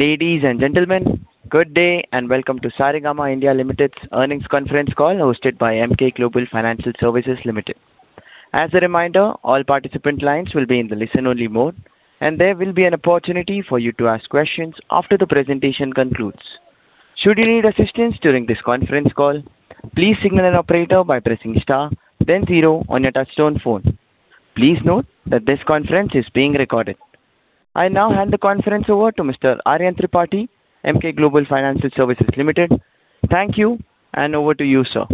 Ladies and gentlemen, good day, and welcome to Saregama India Limited's Earnings Conference Call, hosted by Emkay Global Financial Services Limited. As a reminder, all participant lines will be in the listen-only mode, and there will be an opportunity for you to ask questions after the presentation concludes. Should you need assistance during this conference call, please signal an operator by pressing star, then zero on your touchtone phone. Please note that this conference is being recorded. I now hand the conference over to Mr. Aryan Tripathi, Emkay Global Financial Services Limited. Thank you, and over to you, sir.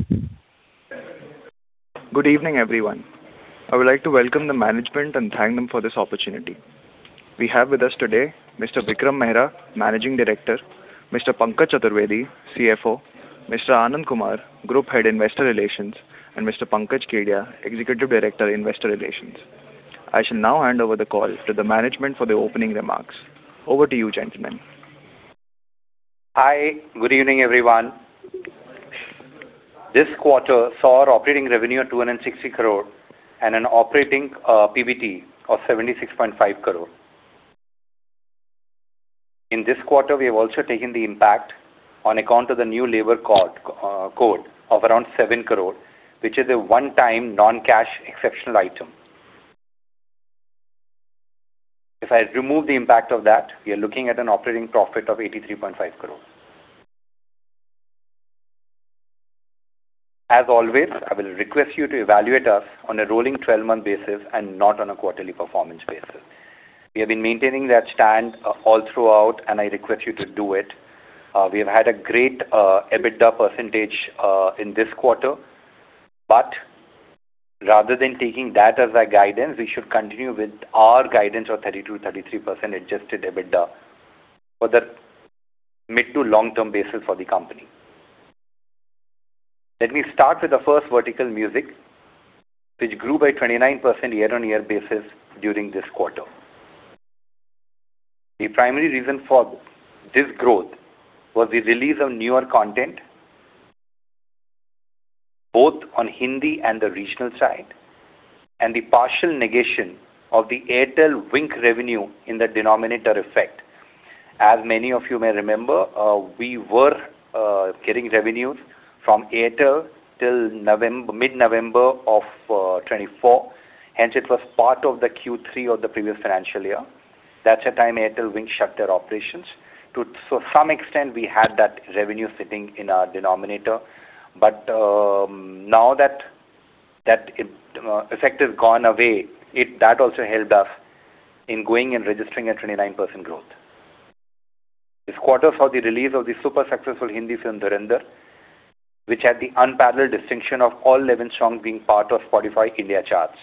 Good evening, everyone. I would like to welcome the management and thank them for this opportunity. We have with us today Mr. Vikram Mehra, Managing Director, Mr. Pankaj Chaturvedi, CFO, Mr. Anand Kumar, Group Head, Investor Relations, and Mr. Pankaj Kedia, Executive Director, Investor Relations. I shall now hand over the call to the management for the opening remarks. Over to you, gentlemen. Hi, good evening, everyone. This quarter saw our operating revenue at 260 crore and an operating PBT of 76.5 crore. In this quarter, we have also taken the impact on account of the new labor code of around 7 crore, which is a one-time, non-cash, exceptional item. If I remove the impact of that, we are looking at an operating profit of 83.5 crore. As always, I will request you to evaluate us on a rolling 12-month basis and not on a quarterly performance basis. We have been maintaining that stand all throughout, and I request you to do it. We have had a great EBITDA percentage in this quarter, but rather than taking that as our guidance, we should continue with our guidance of 32%-33% adjusted EBITDA for the mid to long-term basis for the company. Let me start with the first vertical, music, which grew by 29% year-on-year basis during this quarter. The primary reason for this growth was the release of newer content, both on Hindi and the regional side, and the partial negation of the Airtel Wynk revenue in the denominator effect. As many of you may remember, we were getting revenues from Airtel till mid-November of 2024, hence it was part of the Q3 of the previous financial year. That's the time Airtel Wynk shut their operations. To some extent, we had that revenue sitting in our denominator, but now that that effect has gone away, it. That also helped us in going and registering a 29% growth. This quarter saw the release of the super successful Hindi film, Dhurandhar, which had the unparalleled distinction of all 11 songs being part of Spotify India charts.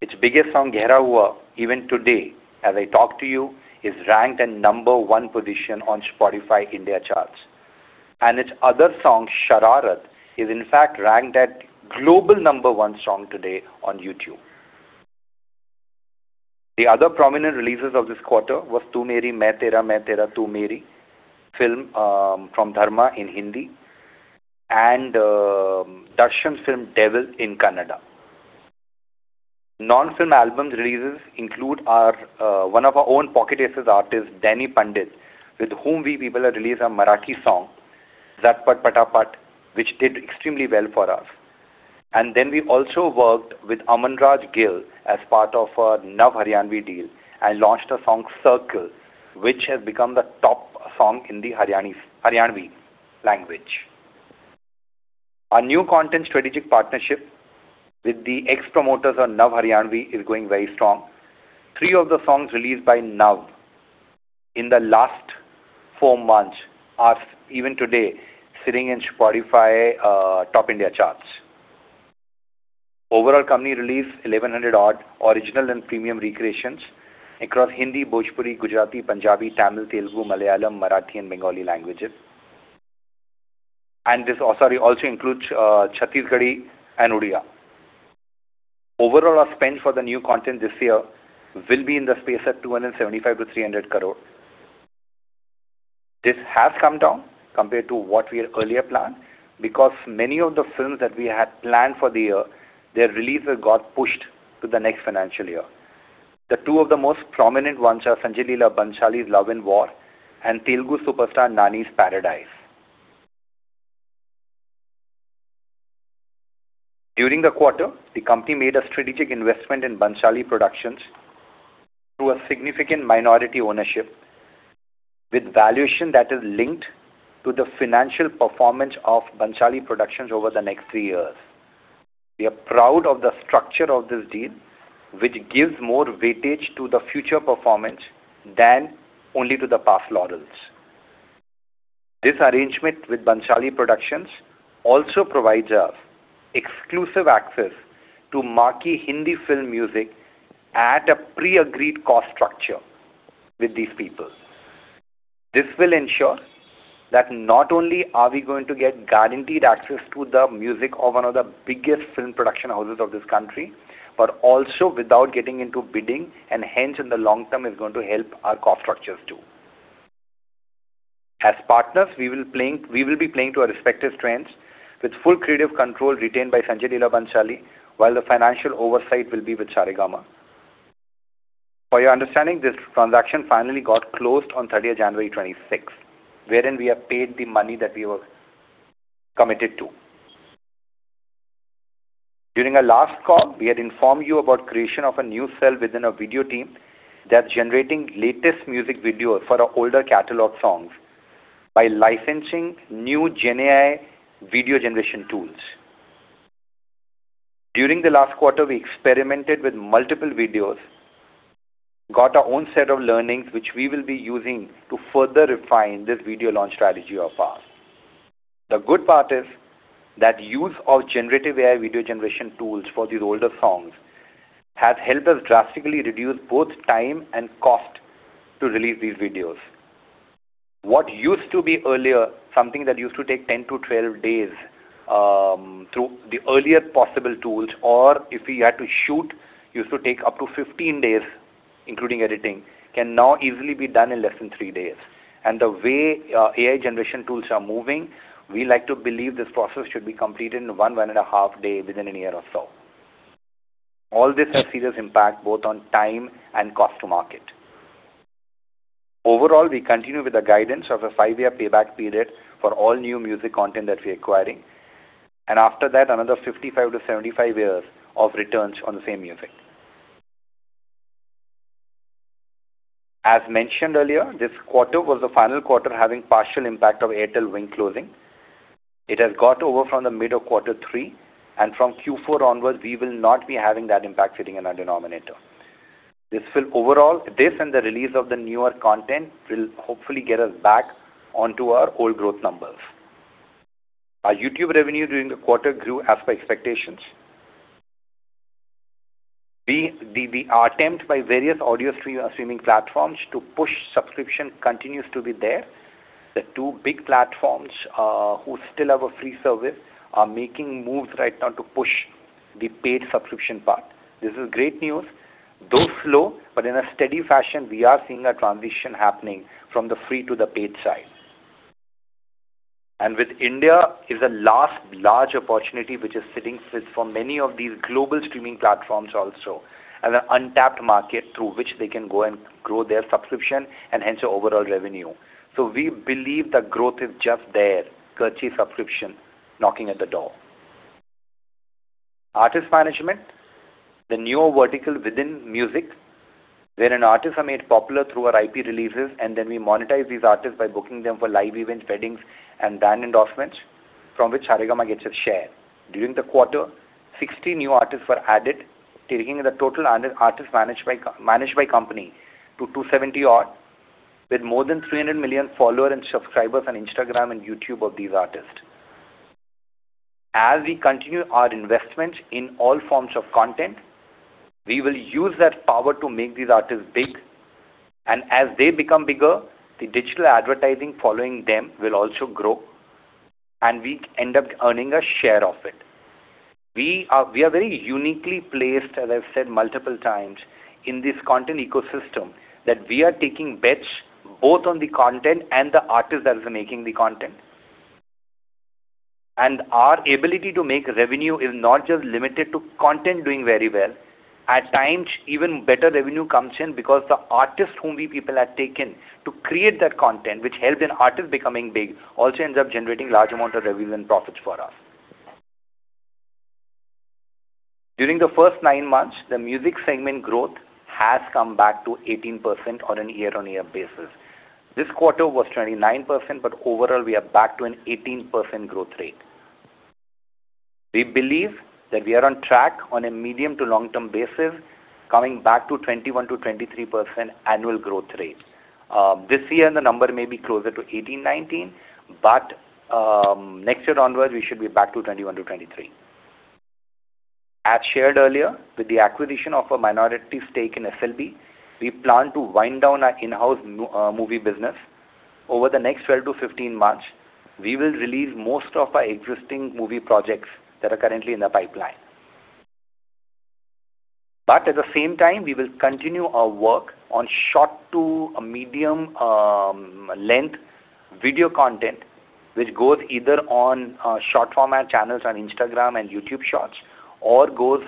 Its biggest song, Gehra Hua, even today, as I talk to you, is ranked at number one position on Spotify India charts. And its other song, Shararat, is in fact ranked at global number one song today on YouTube. The other prominent releases of this quarter was Tu Meri Main Tera, Main Tera Tu Meri film from Dharma in Hindi and Darshan film, Devil, in Kannada. Non-film albums releases include our one of our own Pocket Aces artist, Danny Pandit, with whom we people had released a Marathi song, Za Pat Pata Pat, which did extremely well for us. And then we also worked with Amanraj Gill as part of our Nav Haryanvi deal and launched a song, Circle, which has become the top song in the Haryanvi language. Our new content strategic partnership with the ex-promoters on Nav Haryanvi is going very strong. Three of the songs released by Nav in the last four months are, even today, sitting in Spotify top India charts. Overall, company released 1,100-odd original and premium recreations across Hindi, Bhojpuri, Gujarati, Punjabi, Tamil, Telugu, Malayalam, Marathi, and Bengali languages. And this also includes Chhattisgarh and Odia. Overall, our spend for the new content this year will be in the space at 275 crore-300 crore. This has come down compared to what we had earlier planned, because many of the films that we had planned for the year, their releases got pushed to the next financial year. The two of the most prominent ones are Sanjay Leela Bhansali's Love and War and Telugu superstar Nani's The Paradise. During the quarter, the company made a strategic investment in Bhansali Productions through a significant minority ownership with valuation that is linked to the financial performance of Bhansali Productions over the next three years. We are proud of the structure of this deal, which gives more weightage to the future performance than only to the past laurels. This arrangement with Bhansali Productions also provides us exclusive access to marquee Hindi film music at a pre-agreed cost structure with these people. This will ensure that not only are we going to get guaranteed access to the music of one of the biggest film production houses of this country, but also without getting into bidding, and hence, in the long term, is going to help our cost structures too. As partners, we will be playing to our respective strengths, with full creative control retained by Sanjay Leela Bhansali, while the financial oversight will be with Saregama. For your understanding, this transaction finally got closed on 30 January 2026, wherein we have paid the money that we were committed to. During our last call, we had informed you about creation of a new cell within our video team that's generating latest music videos for our older catalog songs by licensing new Gen AI video generation tools. During the last quarter, we experimented with multiple videos, got our own set of learnings, which we will be using to further refine this video launch strategy of ours. The good part is, that use of generative AI video generation tools for these older songs has helped us drastically reduce both time and cost to release these videos. What used to be earlier, something that used to take 10-12 days, through the earlier possible tools, or if we had to shoot, used to take up to 15 days, including editing, can now easily be done in less than 3 days. And the way AI generation tools are moving, we like to believe this process should be completed in 1-1.5 days within a year or so. All this has serious impact both on time and cost to market. Overall, we continue with the guidance of a 5-year payback period for all new music content that we're acquiring, and after that, another 55-75 years of returns on the same music. As mentioned earlier, this quarter was the final quarter having partial impact of Airtel Wynk closing. It has got over from the mid of quarter three, and from Q4 onwards, we will not be having that impact sitting in our denominator. This will overall. This and the release of the newer content will hopefully get us back onto our old growth numbers. Our YouTube revenue during the quarter grew as per expectations. The attempt by various audio free streaming platforms to push subscription continues to be there. The two big platforms who still have a free service are making moves right now to push the paid subscription part. This is great news. Though slow, but in a steady fashion, we are seeing a transition happening from the free to the paid side. And with India is the last large opportunity, which is sitting still for many of these global streaming platforms also, and an untapped market through which they can go and grow their subscription and hence their overall revenue. So we believe the growth is just there, courtesy subscription, knocking at the door. Artist Management, the newer vertical within music, where artists are made popular through our IP releases, and then we monetize these artists by booking them for live events, weddings, and brand endorsements, from which Saregama gets a share. During the quarter, 60 new artists were added, taking the total under artists managed by co-managed by company to 270-odd, with more than 300 million followers and subscribers on Instagram and YouTube of these artists. As we continue our investments in all forms of content, we will use that power to make these artists big, and as they become bigger, the digital advertising following them will also grow, and we end up earning a share of it. We are, we are very uniquely placed, as I've said multiple times, in this content ecosystem, that we are taking bets both on the content and the artist that is making the content. And our ability to make revenue is not just limited to content doing very well. At times, even better revenue comes in because the artists whom we people have taken to create that content, which helped an artist becoming big, also ends up generating large amount of revenue and profits for us. During the first 9 months, the music segment growth has come back to 18% on a year-on-year basis. This quarter was 29%, but overall, we are back to an 18% growth rate. We believe that we are on track on a medium to long-term basis, coming back to 21%-23% annual growth rate. This year, the number may be closer to 18, 19, but next year onwards, we should be back to 21-23. As shared earlier, with the acquisition of a minority stake in SLB, we plan to wind down our in-house movie business. Over the next 12-15 months, we will release most of our existing movie projects that are currently in the pipeline. But at the same time, we will continue our work on short to a medium length video content, which goes either on short format channels on Instagram and YouTube Shorts, or goes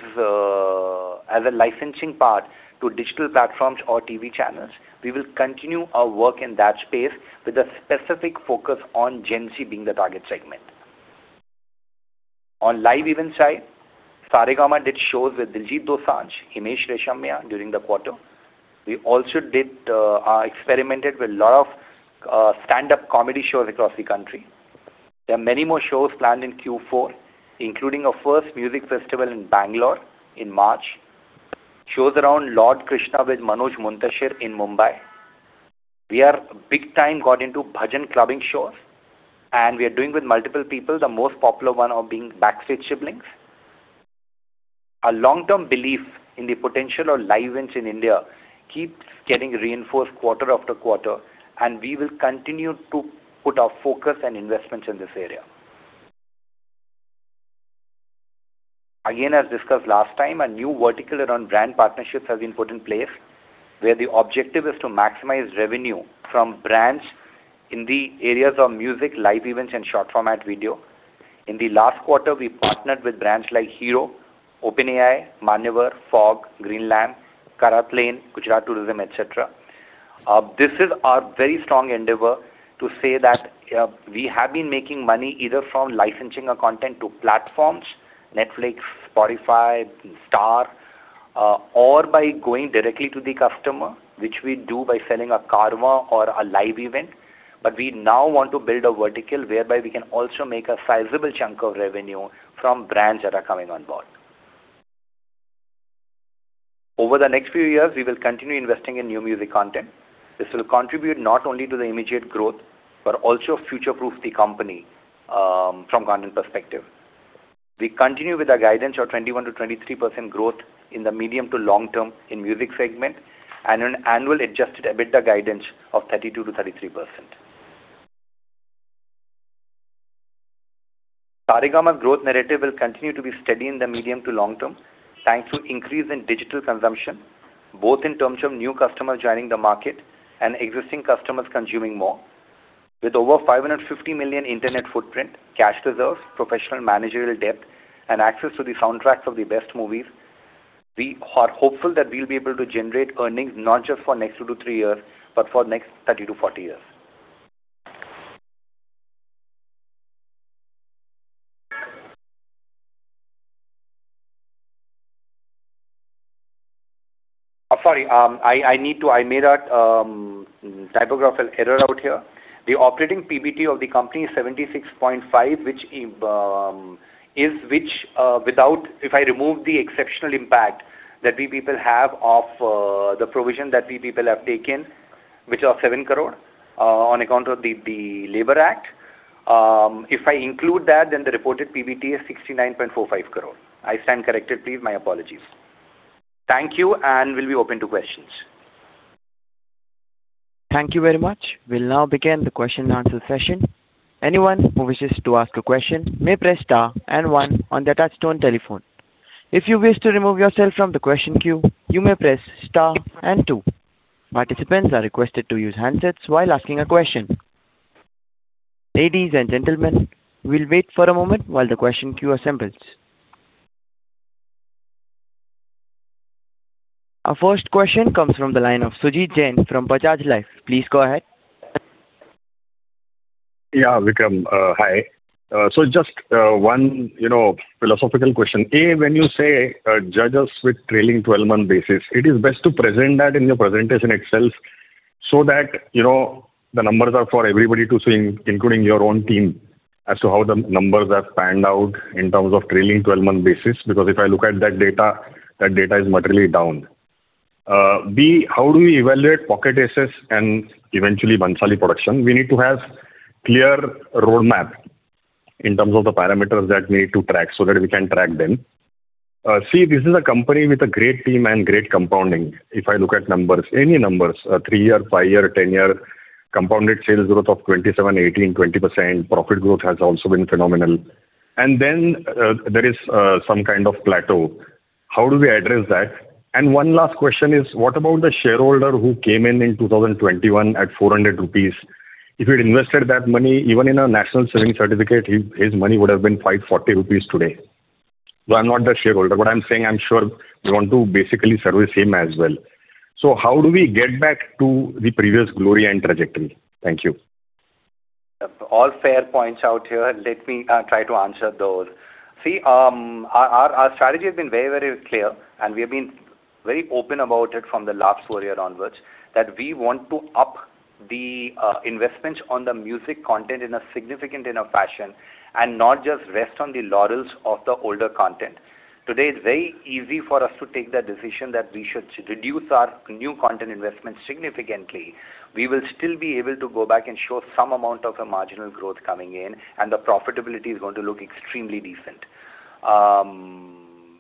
as a licensing part to digital platforms or TV channels. We will continue our work in that space with a specific focus on Gen Z being the target segment. On the live events side, Saregama did shows with Diljit Dosanjh, Himesh Reshammiya during the quarter. We also experimented with a lot of stand-up comedy shows across the country. There are many more shows planned in Q4, including our first music festival in Bangalore in March, shows around Lord Krishna with Manoj Muntashir in Mumbai. We are big time got into Bhajan clubbing shows, and we are doing with multiple people, the most popular one are being Backstreet Siblings. Our long-term belief in the potential of live events in India keeps getting reinforced quarter after quarter, and we will continue to put our focus and investments in this area. Again, as discussed last time, a new vertical around brand partnerships has been put in place, where the objective is to maximize revenue from brands in the areas of music, live events, and short-format video. In the last quarter, we partnered with brands like Hero, OpenAI, Manyavar, Fogg, Greenlam, CaratLane, Gujarat Tourism, et cetera. This is our very strong endeavor to say that, we have been making money either from licensing our content to platforms: Netflix, Spotify, Star, or by going directly to the customer, which we do by selling a Carvaan or a live event. But we now want to build a vertical whereby we can also make a sizable chunk of revenue from brands that are coming on board. Over the next few years, we will continue investing in new music content. This will contribute not only to the immediate growth, but also future-proof the company, from content perspective. We continue with our guidance of 21%-23% growth in the medium to long term in music segment, and an annual Adjusted EBITDA guidance of 32%-33%. Saregama's growth narrative will continue to be steady in the medium to long term, thanks to increase in digital consumption, both in terms of new customers joining the market and existing customers consuming more. With over 550 million internet footprint, cash reserves, professional managerial depth, and access to the soundtracks of the best movies, we are hopeful that we'll be able to generate earnings not just for next 2-3 years, but for next 30-40 years. Sorry, I need to... I made a typographical error out here. The operating PBT of the company is 76.5 crore, which is without, if I remove the exceptional impact that we people have of the provision that we people have taken, which are 7 crore, on account of the Labor Act. If I include that, then the reported PBT is 69.45 crore. I stand corrected. Please, my apologies. Thank you, and we'll be open to questions. Thank you very much. We'll now begin the question and answer session. Anyone who wishes to ask a question may press star and one on the touchtone telephone. If you wish to remove yourself from the question queue, you may press star and two. Participants are requested to use handsets while asking a question. Ladies and gentlemen, we'll wait for a moment while the question queue assembles. Our first question comes from the line of Sujit Jain from Bajaj Life. Please go ahead. Yeah, Vikram, hi. So just one, you know, philosophical question: A, when you say judge us with trailing twelve-month basis, it is best to present that in your presentation itself, so that, you know, the numbers are for everybody to see, including your own team, as to how the numbers have panned out in terms of trailing twelve-month basis. Because if I look at that data, that data is materially down. B, how do we evaluate Pocket Aces and eventually Bhansali Productions? We need to have clear roadmap in terms of the parameters that we need to track so that we can track them. See, this is a company with a great team and great compounding. If I look at numbers, any numbers, three-year, five-year, ten-year, compounded sales growth of 27%, 18%, 20%. Profit growth has also been phenomenal. And then, there is some kind of plateau. How do we address that? And one last question is, what about the shareholder who came in in 2021 at 400 rupees? If he'd invested that money, even in a National Savings Certificate, he, his money would have been 540 rupees today. So I'm not that shareholder, but I'm saying I'm sure we want to basically service him as well. So how do we get back to the previous glory and trajectory? Thank you. All fair points out here. Let me try to answer those. See, our strategy has been very, very clear, and we have been very open about it from the last four year onwards, that we want to up the investments on the music content in a significant enough fashion and not just rest on the laurels of the older content. Today, it's very easy for us to take that decision that we should reduce our new content investments significantly. We will still be able to go back and show some amount of a marginal growth coming in, and the profitability is going to look extremely decent.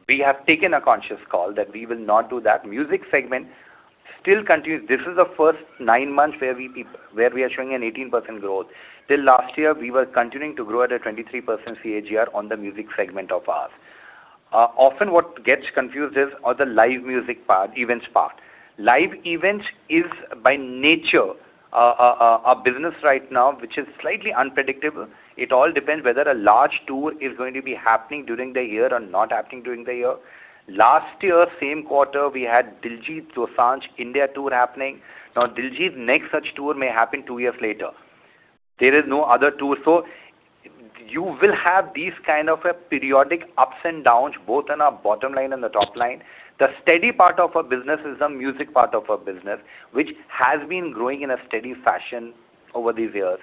We have taken a conscious call that we will not do that. Music segment still continues. This is the first nine months where we are showing an 18% growth. Till last year, we were continuing to grow at a 23% CAGR on the music segment of ours. Often what gets confused is, are the live music part, events part. Live events is, by nature, a business right now, which is slightly unpredictable. It all depends whether a large tour is going to be happening during the year or not happening during the year. Last year, same quarter, we had Diljit Dosanjh India Tour happening. Now, Diljit's next such tour may happen two years later. There is no other tour, so you will have these kind of a periodic ups and downs, both in our bottom line and the top line. The steady part of our business is the music part of our business, which has been growing in a steady fashion over these years.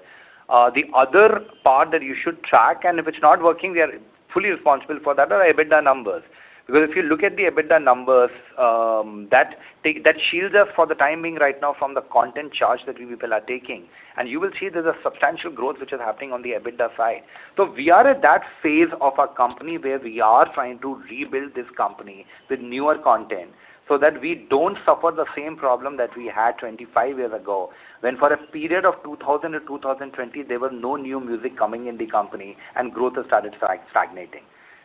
The other part that you should track, and if it's not working, we are fully responsible for that, are our EBITDA numbers. Because if you look at the EBITDA numbers, that shields us for the time being right now from the content charge that we people are taking. And you will see there's a substantial growth which is happening on the EBITDA side. So we are at that phase of our company where we are trying to rebuild this company with newer content, so that we don't suffer the same problem that we had 25 years ago, when for a period of 2000 to 2020, there were no new music coming in the company and growth started stagnating.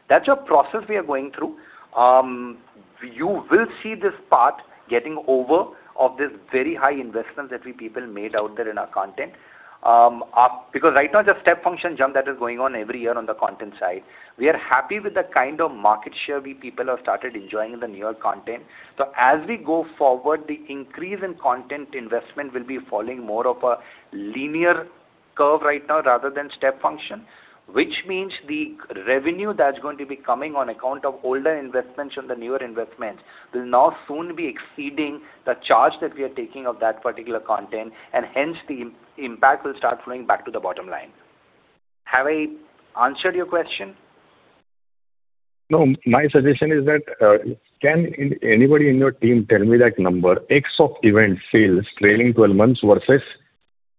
That's a process we are going through. You will see this part getting over of this very high investment that we people made out there in our content. Because right now, the step function jump that is going on every year on the content side, we are happy with the kind of market share we people have started enjoying in the newer content. So as we go forward, the increase in content investment will be following more of a linear curve right now rather than step function, which means the revenue that's going to be coming on account of older investments on the newer investments will now soon be exceeding the charge that we are taking of that particular content, and hence the impact will start flowing back to the bottom line. Have I answered your question? No. My suggestion is that can anybody in your team tell me that number, X of event sales trailing 12 months versus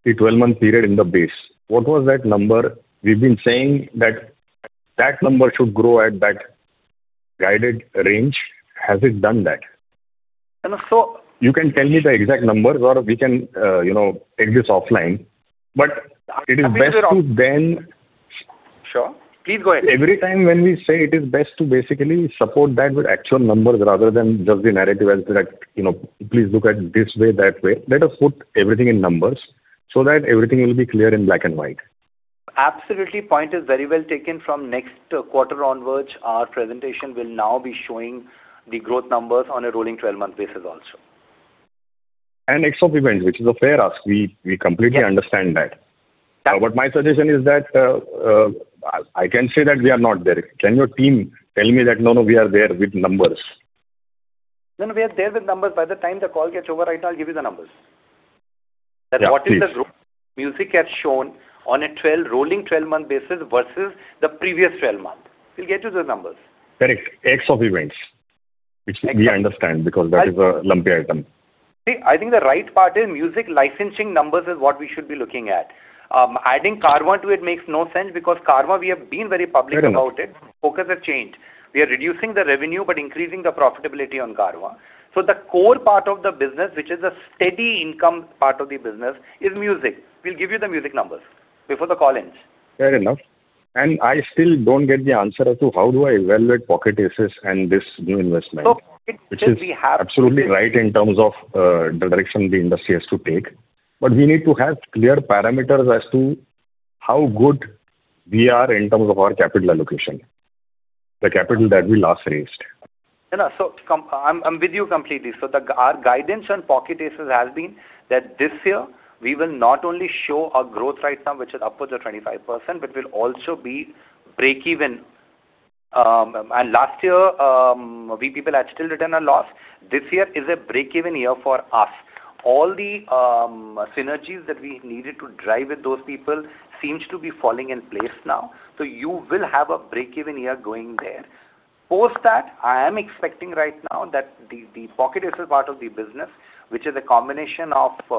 the 12-month period in the base, what was that number? We've been saying that that number should grow at that guided range. Has it done that? And so- You can tell me the exact numbers, or we can, you know, take this offline, but it is best to then- Sure, please go ahead. Every time when we say it is best to basically support that with actual numbers rather than just the narrative as that, you know, please look at it this way, that way. Let us put everything in numbers so that everything will be clear in black and white. Absolutely, point is very well taken. From next quarter onwards, our presentation will now be showing the growth numbers on a rolling 12-month basis also. X of events, which is a fair ask. We completely understand that. But my suggestion is that I can say that we are not there. Can your team tell me that, "No, no, we are there," with numbers? No, no, we are there with numbers. By the time the call gets over, I'll give you the numbers. Yeah, please. That, what is the music, has shown on a 12-rolling 12-month basis versus the previous 12-month. We'll get you the numbers. Correct. Live Events, which we understand, because that is a lumpy item. I think the right part is music licensing numbers is what we should be looking at. Adding Carvaan to it makes no sense, because Carvaan, we have been very public about it. Fair enough. Focus has changed. We are reducing the revenue, but increasing the profitability on Carvaan. So the core part of the business, which is a steady income part of the business, is music. We'll give you the music numbers before the call ends. Fair enough. I still don't get the answer as to how do I evaluate Pocket Aces and this new investment- So, it is we have- Which is absolutely right in terms of the direction the industry has to take, but we need to have clear parameters as to how good we are in terms of our capital allocation, the capital that we last raised. I'm with you completely. Our guidance on Pocket Aces has been that this year we will not only show our growth right now, which is upwards of 25%, but will also be break-even. Last year, we people had still returned a loss. This year is a break-even year for us. All the synergies that we needed to drive with those people seems to be falling in place now. You will have a break-even year going there. Post that, I am expecting right now that the Pocket Aces part of the business, which is a combination of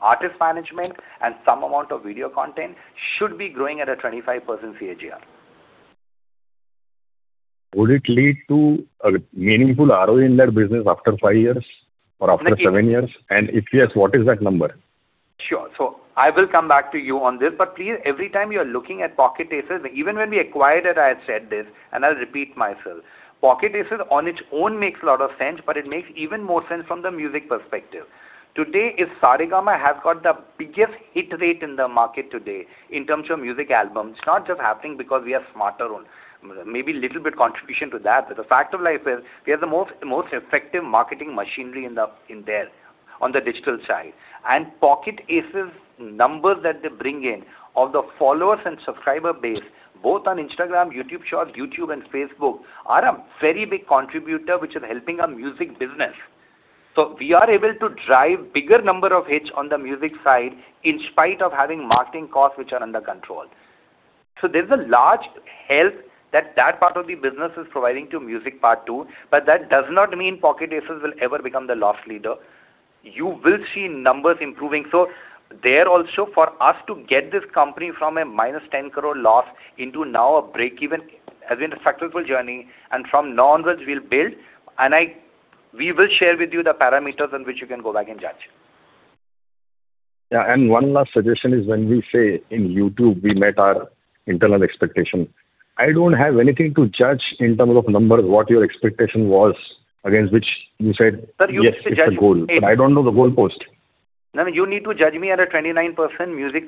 artist management and some amount of video content, should be growing at a 25% CAGR. Would it lead to a meaningful ROE in that business after five years or after seven years? Let me- If yes, what is that number? Sure. So I will come back to you on this, but please, every time you are looking at Pocket Aces, even when we acquired it, I said this, and I'll repeat myself: Pocket Aces on its own makes a lot of sense, but it makes even more sense from the music perspective. Today, if Saregama has got the biggest hit rate in the market today in terms of music albums, it's not just happening because we are smarter, or maybe a little bit contribution to that. But the fact of life is we are the most, most effective marketing machinery in the, in there on the digital side. And Pocket Aces numbers that they bring in of the followers and subscriber base, both on Instagram, YouTube Shorts, YouTube and Facebook, are a very big contributor, which is helping our music business. We are able to drive bigger number of hits on the music side in spite of having marketing costs which are under control. There's a large help that that part of the business is providing to music part, too. But that does not mean Pocket Aces will ever become the loss leader. You will see numbers improving. There also, for us to get this company from a -10 crore loss into now a break-even has been a successful journey, and from onwards we'll build, and we will share with you the parameters on which you can go back and judge. Yeah, and one last suggestion is, when we say in YouTube we met our internal expectation, I don't have anything to judge in terms of numbers what your expectation was, against which you said, "Yes, it's a goal. Sir, you need to judge- But I don't know the goal post. No, you need to judge me at a 29% music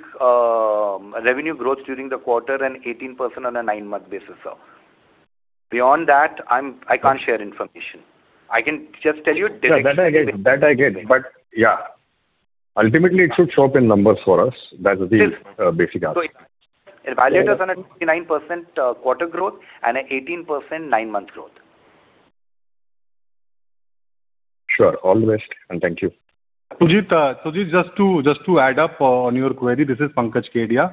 revenue growth during the quarter and 18% on a nine-month basis, so. Beyond that, I can't share information. I can just tell you- Yeah, that I get. That I get. But yeah, ultimately it should show up in numbers for us. That's the basic ask. Evaluate us on a 29% quarter growth and 18% nine-month growth. Sure. All the best, and thank you. Sujit, Sujit, just to, just to add up on your query, this is Pankaj Kedia.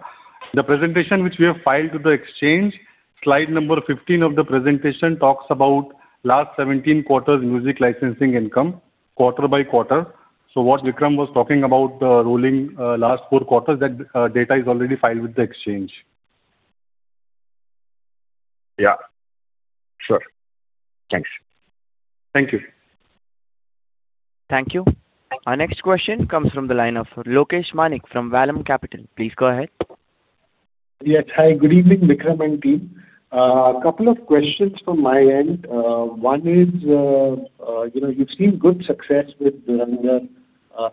The presentation which we have filed to the exchange, slide number 15 of the presentation talks about last 17 quarters music licensing income, quarter by quarter. So what Vikram was talking about, rolling last 4 quarters, that data is already filed with the exchange. Yeah. Sure. Thanks. Thank you. ...Thank you. Our next question comes from the line of Lokesh Manik from Vallum Capital. Please go ahead. Yes. Hi, good evening, Vikram and team. A couple of questions from my end. One is, you know, you've seen good success with Dhurandhar,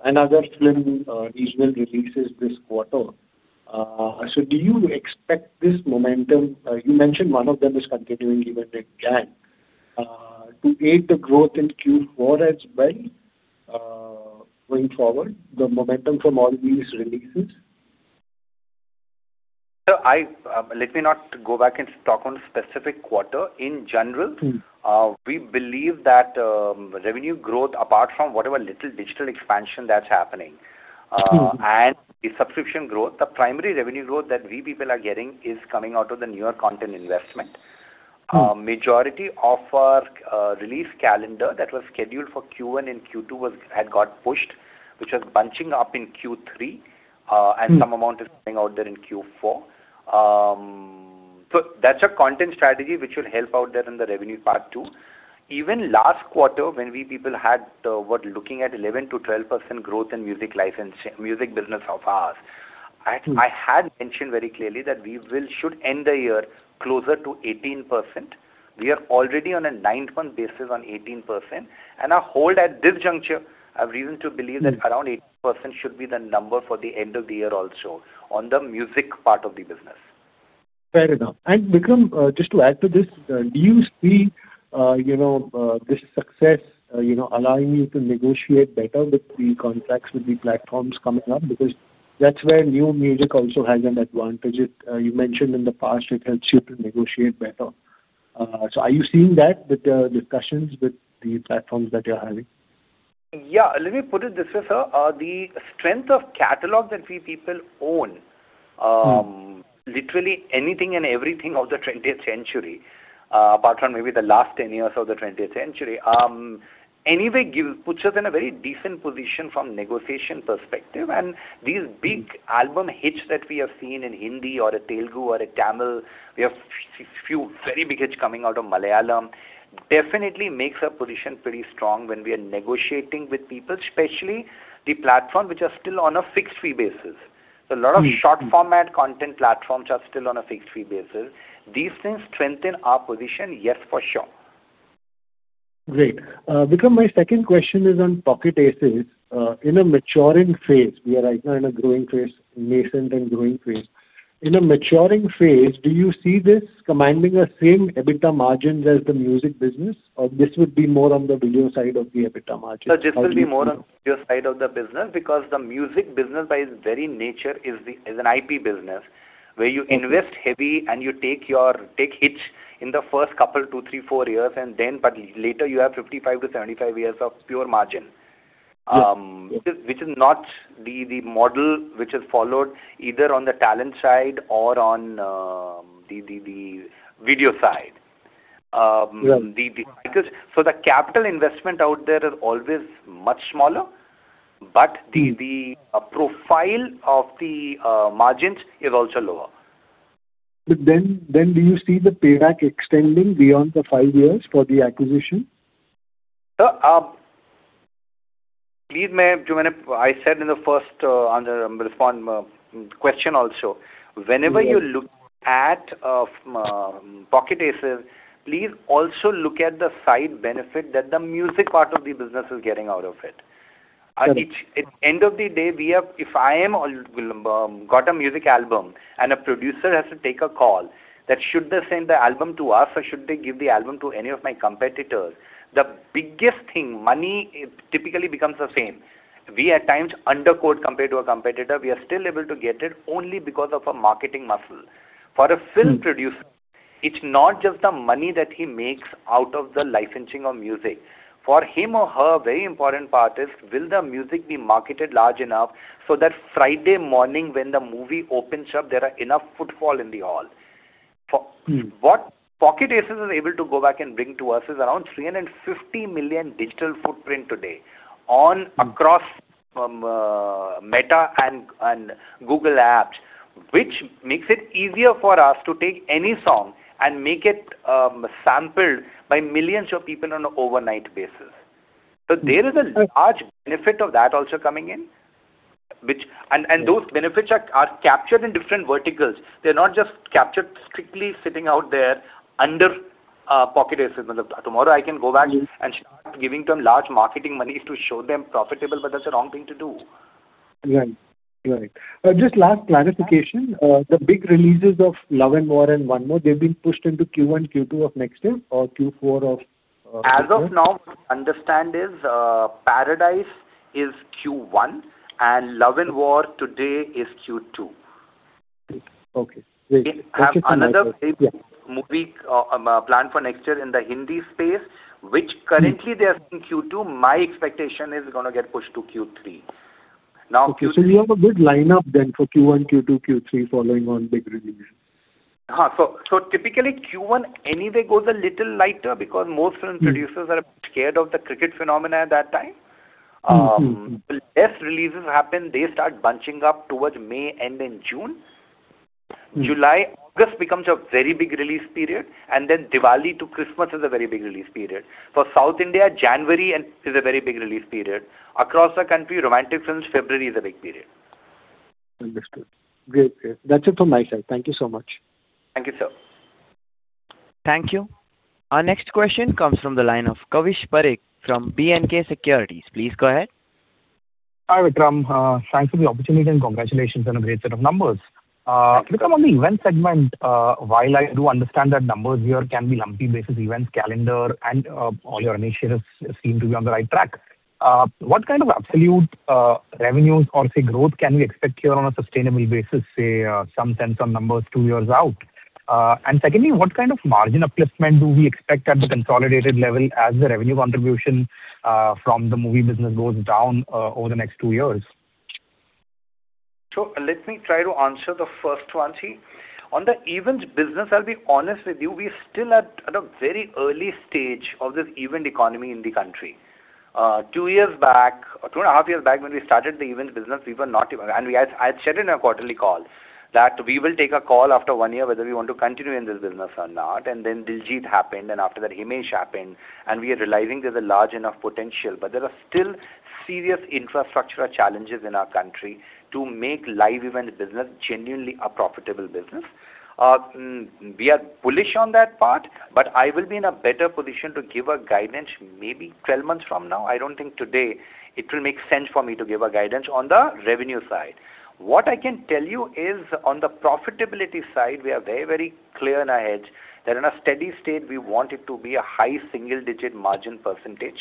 another film, regional releases this quarter. So do you expect this momentum, you mentioned one of them is completely limited Kannada, to aid the growth in Q4 as well, going forward, the momentum from all these releases? Sir, let me not go back and talk on specific quarter. In general- Mm. We believe that revenue growth, apart from whatever little digital expansion that's happening. Mm. The subscription growth, the primary revenue growth that we people are getting is coming out of the newer content investment. Mm. Majority of our release calendar that was scheduled for Q1 and Q2 had got pushed, which was bunching up in Q3. Mm. and some amount is coming out there in Q4. So that's a content strategy which will help out there in the revenue part, too. Even last quarter, when we people had, were looking at 11%-12% growth in music license, music business of ours- Mm. I had mentioned very clearly that we will should end the year closer to 18%. We are already on a nine-month basis on 18%, and I hold at this juncture a reason to believe that- Mm Around 18% should be the number for the end of the year also, on the music part of the business. Fair enough. And Vikram, just to add to this, do you see, you know, this success, you know, allowing you to negotiate better with the contracts with the platforms coming up? Because that's where new music also has an advantage. It, you mentioned in the past it helps you to negotiate better. So are you seeing that with the discussions with the platforms that you're having? Yeah, let me put it this way, sir. The strength of catalog that we people own- Mm. Literally anything and everything of the twentieth century, apart from maybe the last 10 years of the twentieth century, anyway, puts us in a very decent position from negotiation perspective. And these big album hits that we have seen in Hindi or a Telugu or a Tamil, we have few very big hits coming out of Malayalam, definitely makes our position pretty strong when we are negotiating with people, especially the platform which are still on a fixed fee basis. Mm. So a lot of short format content platforms are still on a fixed fee basis. These things strengthen our position, yes, for sure. Great. Vikram, my second question is on Pocket Aces. In a maturing phase, we are right now in a growing phase, nascent and growing phase. In a maturing phase, do you see this commanding the same EBITDA margins as the music business, or this would be more on the video side of the EBITDA margin? Sir, this will be more on the video side of the business, because the music business, by its very nature, is an IP business, where you invest heavy and you take hits in the first couple, 2, 3, 4 years, and then, but later you have 55-75 years of pure margin. Yes. which is not the model which is followed either on the talent side or on the video side. Yeah. Because so the capital investment out there is always much smaller, but the- Mm... the profile of the margins is also lower. But then, do you see the payback extending beyond the five years for the acquisition? Sir, please, may I. I said in the first, on the response, question also. Yes. Whenever you look at Pocket Aces, please also look at the side benefit that the music part of the business is getting out of it. Got it. At the end of the day, we have—if I've got a music album, and a producer has to take a call that should they send the album to us or should they give the album to any of my competitors, the biggest thing, money typically becomes the same. We at times underquote compared to a competitor. We are still able to get it only because of a marketing muscle. Mm. For a film producer, it's not just the money that he makes out of the licensing or music. For him or her, very important part is: will the music be marketed large enough so that Friday morning when the movie opens up, there are enough footfall in the hall? Mm. What Pocket Aces is able to go back and bring to us is around 350 million digital footprint today across Meta and Google apps, which makes it easier for us to take any song and make it sampled by millions of people on an overnight basis. Mm. There is a large benefit of that also coming in, which- Yes. And those benefits are captured in different verticals. They're not just captured strictly sitting out there under Pocket Aces. Tomorrow, I can go back- Mm and start giving them large marketing monies to show them profitable, but that's the wrong thing to do. Right. Right. Just last clarification, the big releases of Love and War and One More, they've been pushed into Q1, Q2 of next year or Q4 of, As of now, understanding is, Paradise is Q1, and Love and War today is Q2. Okay. Great. We have another big movie, planned for next year in the Hindi space, which currently- Mm They are seeing Q2. My expectation is gonna get pushed to Q3. Now Okay. You have a good lineup then for Q1, Q2, Q3, following on big releases. So, typically, Q1 anyway goes a little lighter because most film producers- Mm are scared of the cricket phenomenon at that time. Mm-hmm. Less releases happen. They start bunching up towards May end in June. July, August becomes a very big release period, and then Diwali to Christmas is a very big release period. For South India, January and is a very big release period. Across the country, romantic films, February is a big period. Understood. Great. Great. That's it from my side. Thank you so much. Thank you, sir. Thank you. Our next question comes from the line of Kavish Parekh from B&K Securities. Please go ahead. Hi, Vikram. Thanks for the opportunity, and congratulations on a great set of numbers. Thank you. Vikram, on the event segment, while I do understand that numbers here can be lumpy basis events, calendar, and all your initiatives seem to be on the right track, what kind of absolute revenues or, say, growth can we expect here on a sustainable basis, say, some sense on numbers two years out? And secondly, what kind of margin upliftment do we expect at the consolidated level as the revenue contribution from the movie business goes down over the next two years? So let me try to answer the first one. See, on the events business, I'll be honest with you, we're still at a very early stage of this event economy in the country. Two years back, or 2.5 years back, when we started the events business, And I had said in our quarterly call that we will take a call after 1 year whether we want to continue in this business or not, and then Diljit happened, and after that Himesh happened, and we are realizing there's a large enough potential. But there are still serious infrastructural challenges in our country to make live event business genuinely a profitable business. We are bullish on that part, but I will be in a better position to give a guidance maybe 12 months from now. I don't think today it will make sense for me to give a guidance on the revenue side. What I can tell you is, on the profitability side, we are very, very clear in our heads that in a steady state we want it to be a high single-digit margin percentage.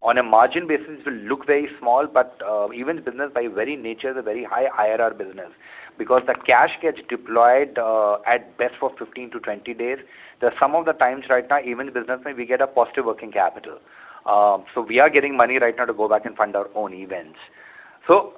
On a margin basis, it will look very small, but, events business by very nature is a very high, higher business. Because the cash gets deployed, at best for 15-20 days. There are some of the times right now, events business, we get a positive working capital. So we are getting money right now to go back and fund our own events. So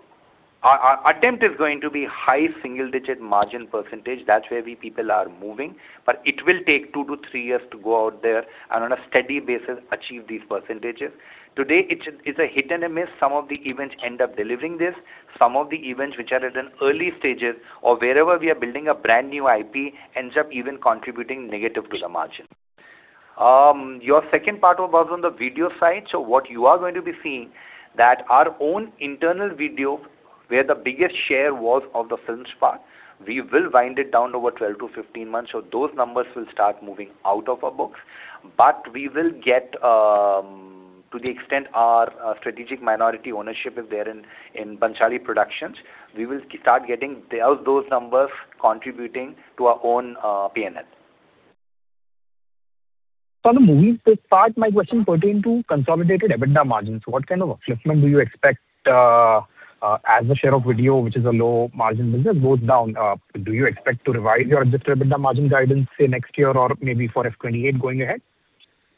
our, our attempt is going to be high single-digit margin percentage. That's where we people are moving, but it will take 2-3 years to go out there and on a steady basis, achieve these percentages. Today, it's a hit and a miss. Some of the events end up delivering this. Some of the events which are at an early stages or wherever we are building a brand-new IP, ends up even contributing negative to the margin. Your second part was on the video side. So what you are going to be seeing, that our own internal video, where the biggest share was of the films part, we will wind it down over 12-15 months, so those numbers will start moving out of our books. But we will get to the extent our strategic minority ownership is there in Bhansali Productions, we will start getting those numbers contributing to our own P&L. On the movies part, my question pertain to consolidated EBITDA margins. What kind of upliftment do you expect, as a share of video, which is a low margin business, goes down? Do you expect to revise your adjusted EBITDA margin guidance, say, next year or maybe for F 28 going ahead?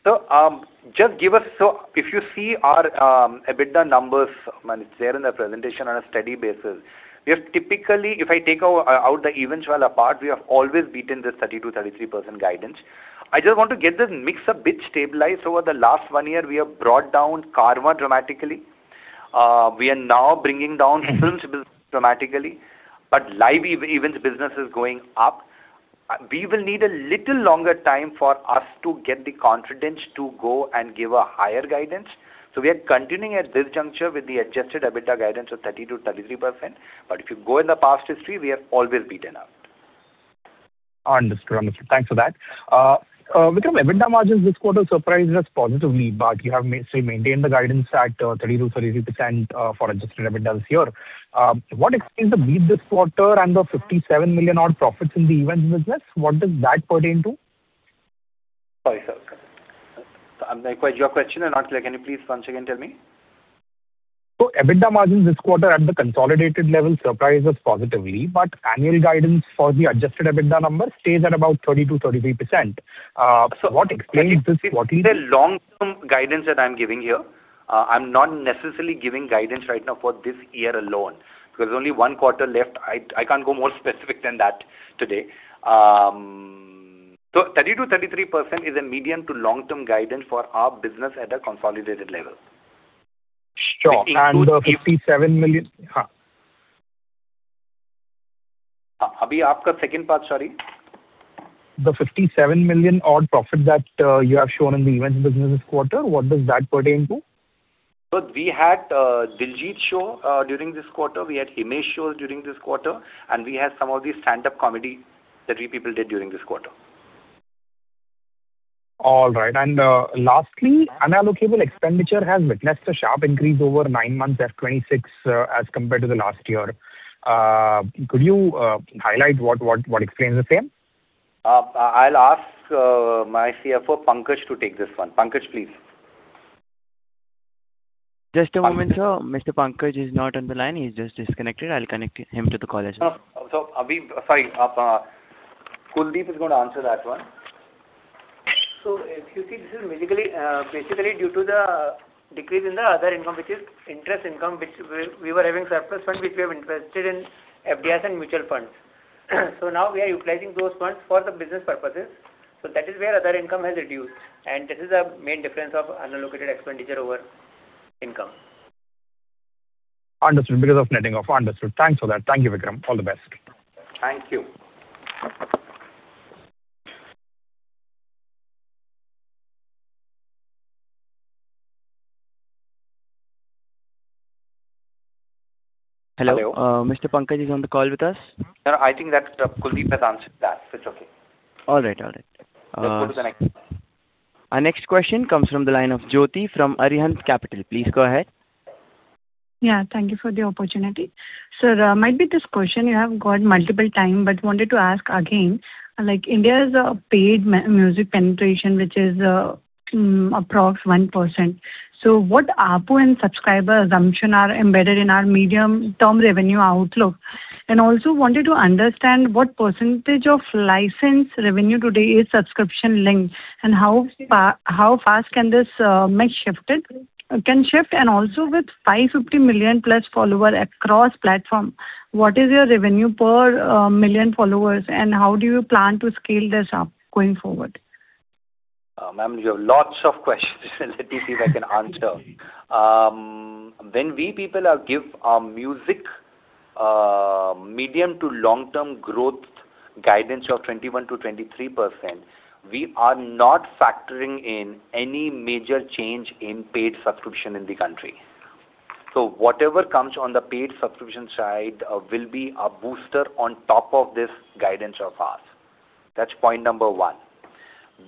So if you see our EBITDA numbers, and it's there in the presentation on a steady basis, we have typically, if I take out the events well apart, we have always beaten the 30%-33% guidance. I just want to get this mix a bit stabilized. Over the last one year, we have brought down Carvaan dramatically. We are now bringing down films business dramatically, but live events business is going up. We will need a little longer time for us to get the confidence to go and give a higher guidance. So we are continuing at this juncture with the adjusted EBITDA guidance of 30%-33%, but if you go in the past history, we have always beaten out. Understood. Understood. Thanks for that. Vikram, EBITDA margins this quarter surprised us positively, but you have maintained the guidance at 30%-33% for adjusted EBITDA this year. What explains the beat this quarter and the 57 million-odd profits in the events business? What does that pertain to? Sorry, sir. Your question is not clear. Can you please once again tell me? So EBITDA margins this quarter at the consolidated level surprised us positively, but annual guidance for the adjusted EBITDA number stays at about 30%-33%. So what explains this- It's a long-term guidance that I'm giving you. I'm not necessarily giving guidance right now for this year alone, because there's only one quarter left. I can't go more specific than that today. So 30%-33% is a medium to long-term guidance for our business at a consolidated level. Sure. It includes- the INR 57 million. Your second part, sorry. The 57 million odd profit that you have shown in the events business this quarter, what does that pertain to? So we had Diljit show during this quarter. We had Himesh show during this quarter, and we had some of the stand-up comedy that we people did during this quarter. All right. Lastly, unallocated expenditure has witnessed a sharp increase over nine months, FY26, as compared to the last year. Could you highlight what explains the same? I'll ask my CFO, Pankaj, to take this one. Pankaj, please. Just a moment, sir. Mr. Pankaj is not on the line. He's just disconnected. I'll connect him to the call again. Oh, so, sorry, Kuldeep is going to answer that one. So if you see, this is basically basically due to the decrease in the other income, which is interest income, which we, we were having surplus fund, which we have invested in FDI and mutual funds. So now we are utilizing those funds for the business purposes. So that is where other income has reduced, and this is the main difference of unallocated expenditure over income. ...Understood, because of netting off. Understood. Thanks for that. Thank you, Vikram. All the best. Thank you. Hello. Mr. Pankaj is on the call with us? No, I think that, Kuldeep has answered that. It's okay. All right. All right, Let's go to the next one. Our next question comes from the line of Jyoti from Arihant Capital. Please go ahead. Yeah, thank you for the opportunity. Sir, might be this question you have got multiple time, but wanted to ask again, like India's paid music penetration, which is approx 1%. So what ARPU and subscriber assumption are embedded in our medium-term revenue outlook? And also wanted to understand what percentage of licensed revenue today is subscription linked, and how fast can this mix shifted, can shift? And also with 550 million plus follower across platform, what is your revenue per million followers, and how do you plan to scale this up going forward? Ma'am, you have lots of questions. Let me see if I can answer. When we people are give our music, medium to long-term growth guidance of 21%-23%, we are not factoring in any major change in paid subscription in the country. So whatever comes on the paid subscription side, will be a booster on top of this guidance of ours. That's point number one.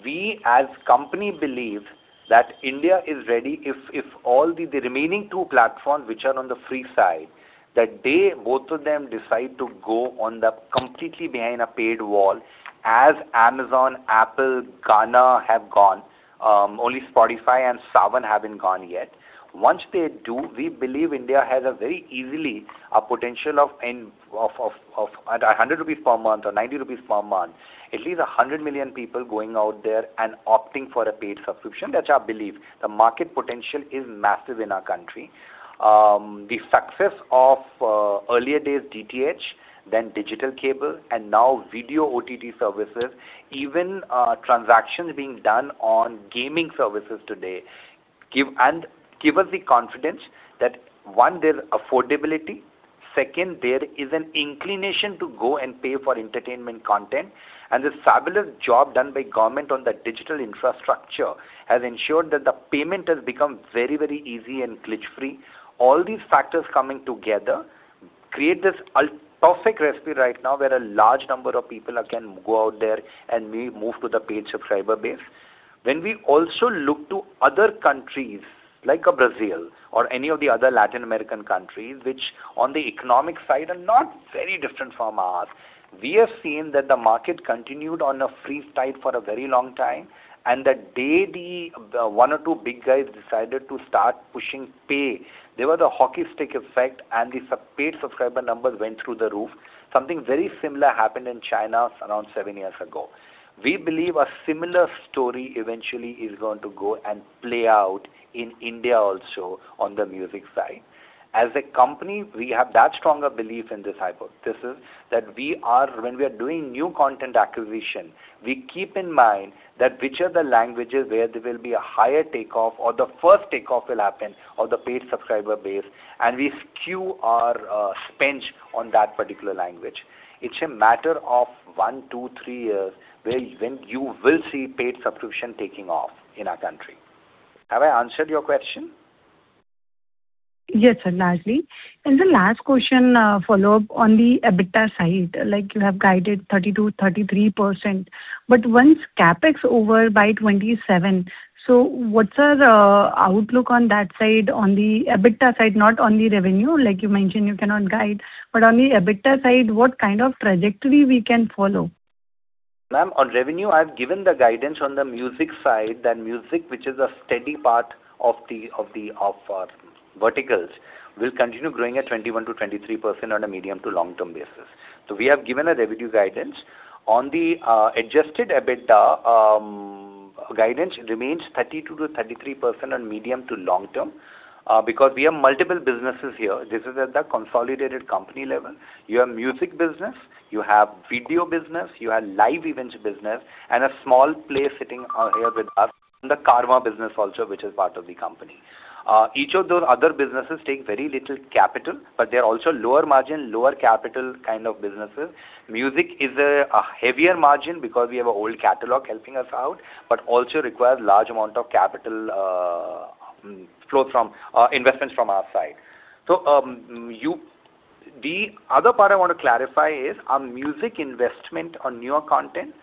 We, as company, believe that India is ready if, if all the, the remaining two platforms which are on the free side, that they, both of them, decide to go on the completely behind a paid wall, as Amazon, Apple, Gaana have gone, only Spotify and Saavn haven't gone yet. Once they do, we believe India has a very easily a potential of in, of, of, of 100 rupees per month or 90 rupees per month. At least 100 million people going out there and opting for a paid subscription. That's our belief. The market potential is massive in our country. The success of earlier days DTH, then digital cable, and now video OTT services, even transactions being done on gaming services today, give us the confidence that, one, there's affordability, second, there is an inclination to go and pay for entertainment content. The fabulous job done by government on the digital infrastructure has ensured that the payment has become very, very easy and glitch-free. All these factors coming together create this perfect recipe right now, where a large number of people again can go out there and we move to the paid subscriber base. When we also look to other countries, like a Brazil or any of the other Latin American countries, which on the economic side are not very different from ours, we have seen that the market continued on a free side for a very long time, and the day the one or two big guys decided to start pushing pay, there was a hockey stick effect and the sub-paid subscriber numbers went through the roof. Something very similar happened in China around seven years ago. We believe a similar story eventually is going to go and play out in India also on the music side. As a company, we have that stronger belief in this hypothesis, that we are, when we are doing new content acquisition, we keep in mind that which are the languages where there will be a higher takeoff or the first takeoff will happen or the paid subscriber base, and we skew our spend on that particular language. It's a matter of one, two, three years, where even you will see paid subscription taking off in our country. Have I answered your question? Yes, sir, largely. And the last question, follow up on the EBITDA side, like you have guided 32%-33%, but once CapEx over by 27, so what's our, outlook on that side, on the EBITDA side, not on the revenue, like you mentioned, you cannot guide, but on the EBITDA side, what kind of trajectory we can follow? Ma'am, on revenue, I've given the guidance on the music side, and music, which is a steady part of our verticals, will continue growing at 21%-23% on a medium to long-term basis. So we have given a revenue guidance. On the adjusted EBITDA, guidance remains 32%-33% on medium to long term, because we have multiple businesses here. This is at the consolidated company level. You have music business, you have video business, you have live events business, and a small play sitting out here with us, the Carvaan business also, which is part of the company. Each of those other businesses take very little capital, but they're also lower margin, lower capital kind of businesses. Music is a heavier margin because we have an old catalog helping us out, but also requires large amount of capital flow from investments from our side. The other part I want to clarify is, our music investment on newer content,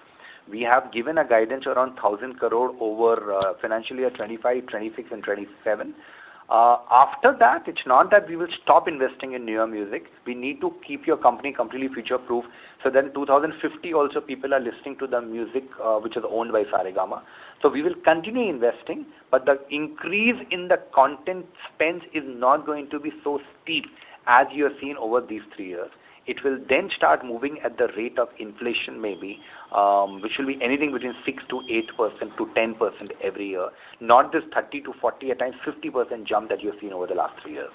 we have given a guidance around 1,000 crore over financial year 2025, 2026 and 2027. After that, it's not that we will stop investing in newer music. We need to keep your company completely future-proof, so that in 2050 also, people are listening to the music, which is owned by Saregama. So we will continue investing, but the increase in the content spend is not going to be so steep as you have seen over these three years. It will then start moving at the rate of inflation, maybe, which will be anything between 6%-8% to 10% every year, not this 30%-40%, at times 50% jump that you have seen over the last 3 years.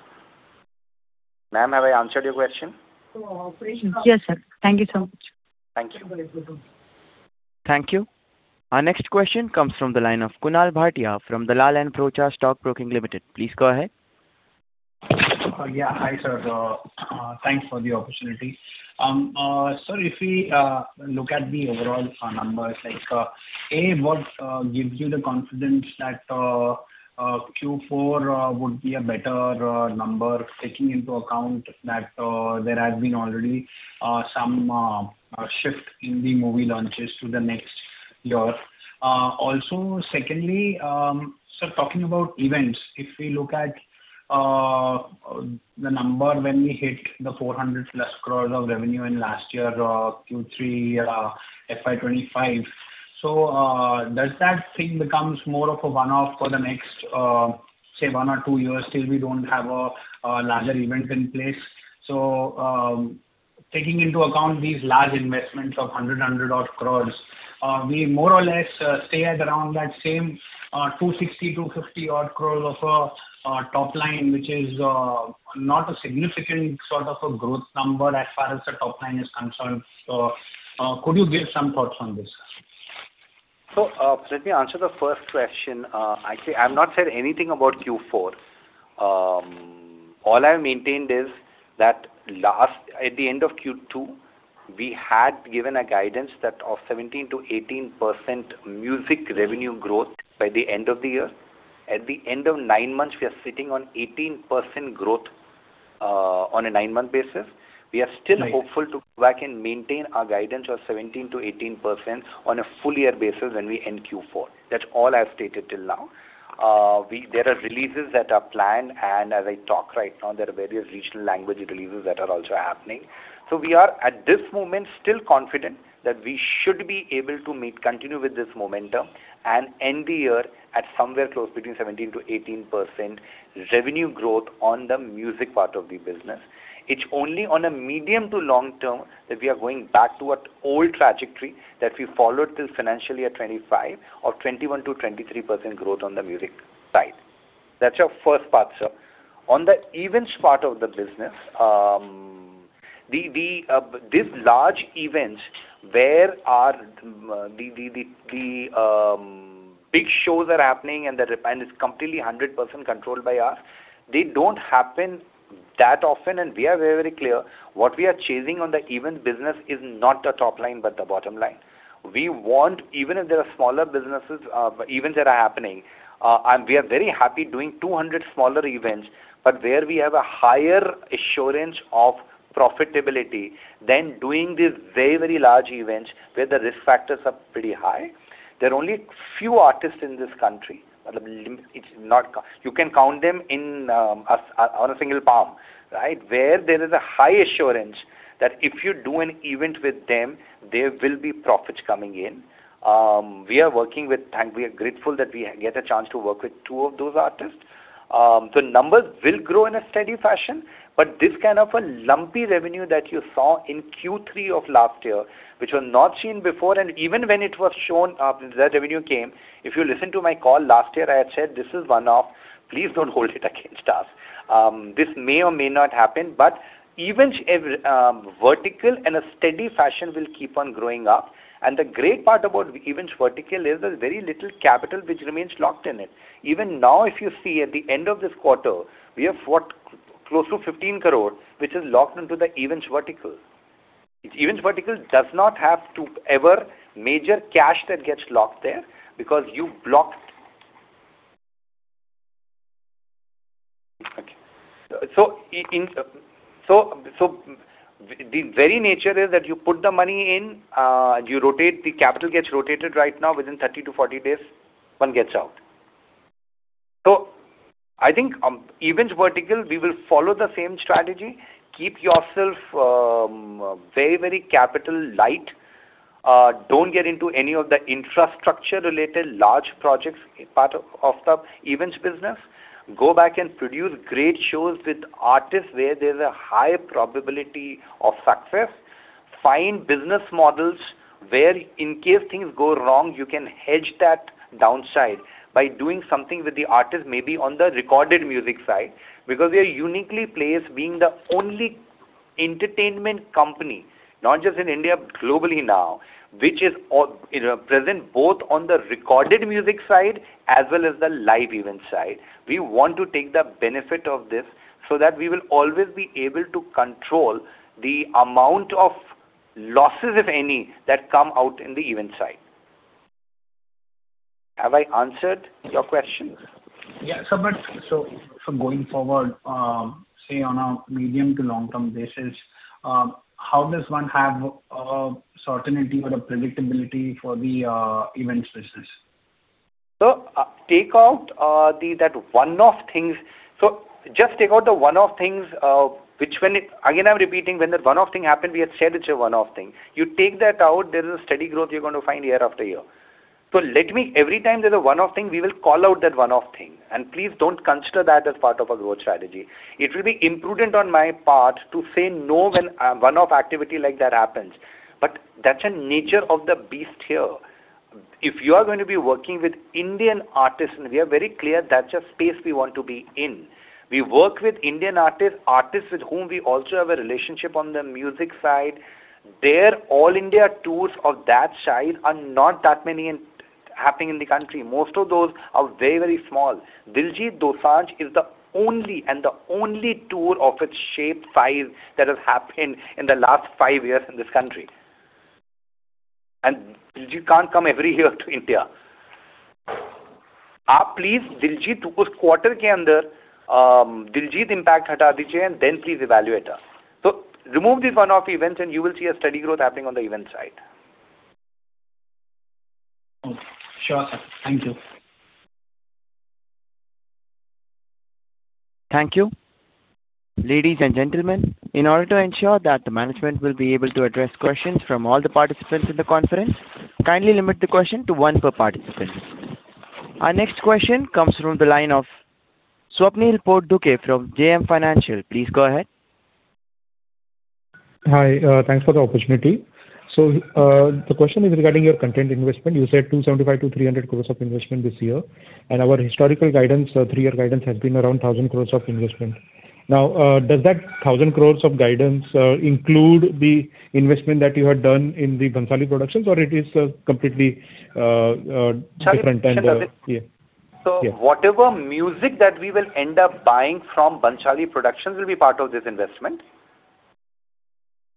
Ma'am, have I answered your question? Yes, sir. Thank you so much. Thank you. Thank you. Our next question comes from the line of Kunal Bhatia from the Dalal & Broacha Stock Broking Limited. Please go ahead. Yeah. Hi, sir. Thanks for the opportunity. So if we look at the overall numbers, like, what gives you the confidence that Q4 would be a better number, taking into account that there has been already some shift in the movie launches to the next year? Also, secondly, so talking about events, if we look at the number when we hit 400+ crore of revenue in last year, Q3, FY 2025. So, does that thing becomes more of a one-off for the next, say, one or two years, till we don't have a larger event in place? Taking into account these large investments of 100-odd crore, we more or less stay at around that same 260, 250-odd crore of top line, which is not a significant sort of a growth number as far as the top line is concerned. So, could you give some thoughts on this? So, let me answer the first question. Actually, I've not said anything about Q4. All I've maintained is that last at the end of Q2, we had given a guidance that of 17%-18% music revenue growth by the end of the year. At the end of nine months, we are sitting on 18% growth, on a nine-month basis. We are still hopeful to go back and maintain our guidance of 17%-18% on a full year basis when we end Q4. That's all I've stated till now. There are releases that are planned, and as I talk right now, there are various regional language releases that are also happening. So we are, at this moment, still confident that we should be able to meet, continue with this momentum and end the year at somewhere close between 17%-18% revenue growth on the music part of the business. It's only on a medium to long term that we are going back to what old trajectory that we followed till financially at 25% or 21%-23% growth on the music side. That's your first part, sir. On the events part of the business, the these large events, where the big shows are happening and that, and it's completely 100% controlled by us, they don't happen that often, and we are very, very clear. What we are chasing on the event business is not the top line, but the bottom line. We want, even if there are smaller businesses, events that are happening, and we are very happy doing 200 smaller events, but where we have a higher assurance of profitability than doing these very, very large events where the risk factors are pretty high. There are only few artists in this country. You can count them on a single palm, right? Where there is a high assurance that if you do an event with them, there will be profits coming in. We are working with, and we are grateful that we get a chance to work with two of those artists. The numbers will grow in a steady fashion, but this kind of a lumpy revenue that you saw in Q3 of last year, which was not seen before, and even when it was shown, the revenue came, if you listen to my call last year, I had said, "This is one-off. Please don't hold it against us." This may or may not happen, but events vertical in a steady fashion will keep on growing up. And the great part about events vertical is there's very little capital which remains locked in it. Even now, if you see at the end of this quarter, we have got close to 15 crore, which is locked into the events vertical. Events vertical does not have to ever major cash that gets locked there because you blocked... Okay. So the very nature is that you put the money in, you rotate, the capital gets rotated right now within 30-40 days, one gets out. So I think, events vertical, we will follow the same strategy: keep yourself very, very capital light. Don't get into any of the infrastructure related large projects part of the events business. Go back and produce great shows with artists where there's a high probability of success. Find business models where in case things go wrong, you can hedge that downside by doing something with the artist, maybe on the recorded music side, because we are uniquely placed being the only entertainment company, not just in India, but globally now, which is all present both on the recorded music side as well as the live event side. We want to take the benefit of this so that we will always be able to control the amount of losses, if any, that come out in the event side. Have I answered your questions? Yeah, so for going forward, say, on a medium- to long-term basis, how does one have certainty or predictability for the events business? So, take out the one-off things. So just take out the one-off things, which when it happened. Again, I'm repeating, when the one-off thing happened, we had said it's a one-off thing. You take that out, there is a steady growth you're going to find year after year. So let me, every time there's a one-off thing, we will call out that one-off thing, and please don't consider that as part of our growth strategy. It will be imprudent on my part to say no when one-off activity like that happens, but that's the nature of the beast here. If you are going to be working with Indian artists, and we are very clear that's the space we want to be in. We work with Indian artists, artists with whom we also have a relationship on the music side. Their all-India tours of that size are not that many and happening in the country. Most of those are very, very small. Diljit Dosanjh is the only, and the only tour of its shape, size, that has happened in the last five years in this country. And Diljit can't come every year to India. Please, Diljit, quarter Diljit impact, and then please evaluate us. So remove these one-off events, and you will see a steady growth happening on the event side. Oh, sure. Thank you. Thank you. Ladies and gentlemen, in order to ensure that the management will be able to address questions from all the participants in the conference, kindly limit the question to one per participant. Our next question comes from the line of Swapnil Potdukhe from JM Financial. Please go ahead. Hi, thanks for the opportunity. So, the question is regarding your content investment. You said 275 crore-300 crore of investment this year, and our historical guidance, three-year guidance has been around 1,000 crore of investment. Now, does that 1,000 crore of guidance include the investment that you had done in the Bhansali Productions, or it is completely different and, yeah. So whatever music that we will end up buying from Bhansali Productions will be part of this investment.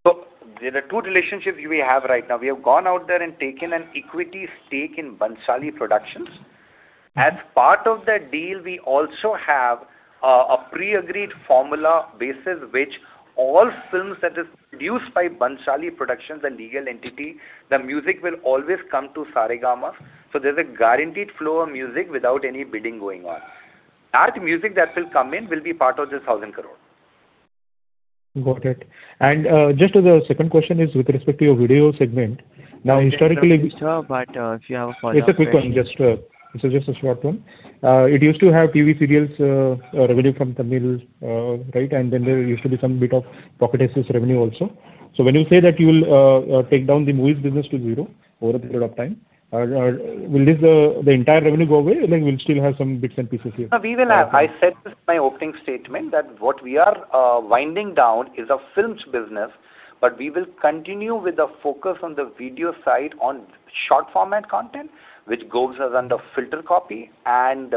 So there are two relationships we have right now. We have gone out there and taken an equity stake in Bhansali Productions. As part of that deal, we also have a pre-agreed formula basis which all films that is produced by Bhansali Productions, the legal entity, the music will always come to Saregama. So there's a guaranteed flow of music without any bidding going on. That music that will come in will be part of this 1,000 crore. Got it. Just as a second question is with respect to your video segment. Now, historically- If you have a follow-up question. It's a quick one, just, this is just a short one. It used to have TV serials, revenue from Tamil, right? And then there used to be some bit of Pocket Aces revenue also. So when you say that you will, take down the movies business to zero over a period of time, will this, the entire revenue go away, and then we'll still have some bits and pieces here? We will have... I said this in my opening statement, that what we are, winding down is a films business, but we will continue with the focus on the video side, on short format content, which goes as under FilterCopy, and,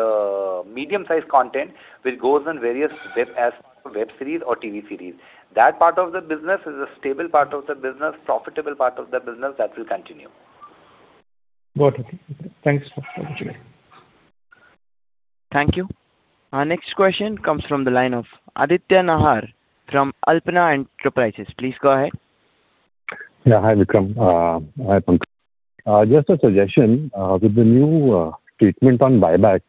medium-sized content, which goes on various web, as web series or TV series. That part of the business is a stable part of the business, profitable part of the business, that will continue. Got it. Thanks for the opportunity. Thank you. Our next question comes from the line of Aditya Nahar, from Alpna Enterprises. Please go ahead. Yeah, hi, Vikram. Hi, Pankaj. Just a suggestion, with the new treatment on buybacks,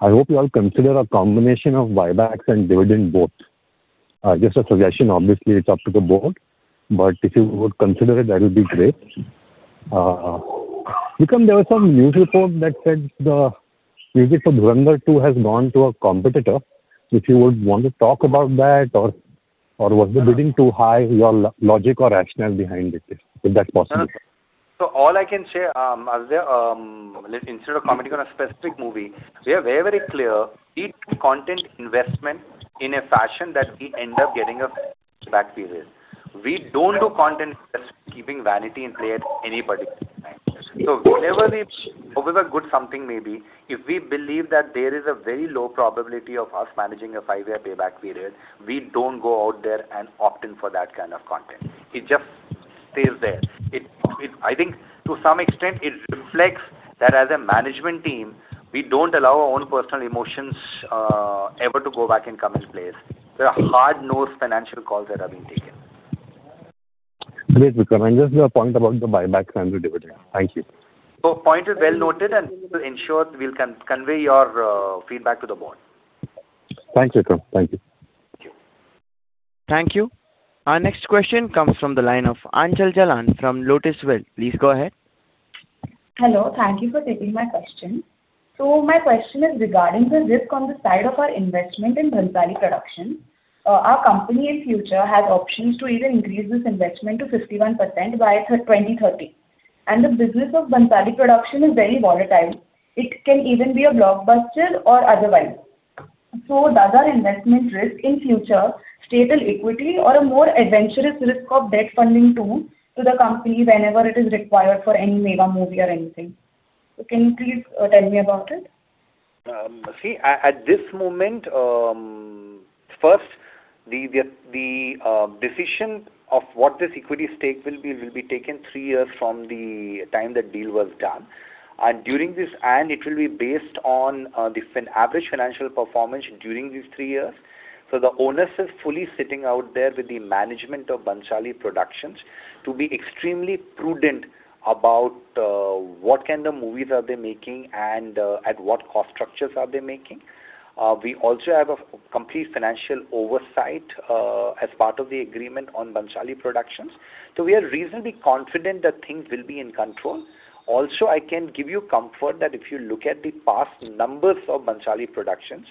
I hope you all consider a combination of buybacks and dividend both. Just a suggestion, obviously, it's up to the board, but if you would consider it, that would be great. Vikram, there was some news report that said the music for Dhurandhar 2 has gone to a competitor. If you would want to talk about that, or, or was the bidding too high, your logic or rationale behind it, if that's possible. So all I can say, Aditya, instead of commenting on a specific movie, we are very, very clear, we do content investment in a fashion that we end up getting a payback period. We don't do content investment keeping vanity in play at anybody. So whenever we, whoever good something may be, if we believe that there is a very low probability of us managing a five-year payback period, we don't go out there and opt in for that kind of content. It just stays there. It, it, I think to some extent, it reflects that as a management team, we don't allow our own personal emotions, ever to go back and come in place. There are hard-nosed financial calls that are being taken. Great, Vikram, and just the point about the buybacks and the dividend. Thank you. Point is well noted, and we will ensure we'll convey your feedback to the board. Thanks, Vikram. Thank you. Thank you. Our next question comes from the line of Aanchal Jalan from Lotus Wealth. Please go ahead. Hello, thank you for taking my question. So my question is regarding the risk on the side of our investment in Bhansali Productions. Our company in future has options to even increase this investment to 51% by 2030, and the business of Bhansali Productions is very volatile. It can even be a blockbuster or otherwise. So does our investment risk in future stable equity or a more adventurous risk of debt funding tool to the company whenever it is required for any mega movie or anything? So can you please, tell me about it? See, at this moment, the decision of what this equity stake will be will be taken three years from the time the deal was done. And during this, it will be based on different average financial performance during these three years. So the onus is fully sitting out there with the management of Bhansali Productions to be extremely prudent about what kind of movies are they making and at what cost structures are they making. We also have a complete financial oversight as part of the agreement on Bhansali Productions. So we are reasonably confident that things will be in control. Also, I can give you comfort that if you look at the past numbers of Bhansali Productions,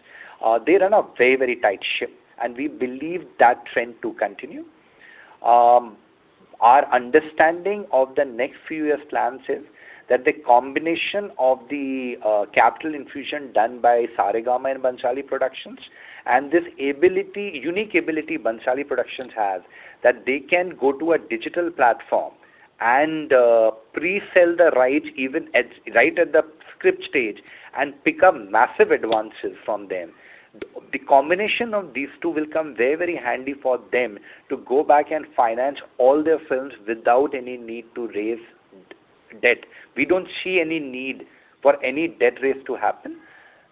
they run a very, very tight ship, and we believe that trend to continue. Our understanding of the next few years' plans is that the combination of the capital infusion done by Saregama and Bhansali Productions, and this ability, unique ability Bhansali Productions has, that they can go to a digital platform and pre-sell the rights even at, right at the script stage and pick up massive advances from them. The combination of these two will come very, very handy for them to go back and finance all their films without any need to raise debt. We don't see any need for any debt raise to happen.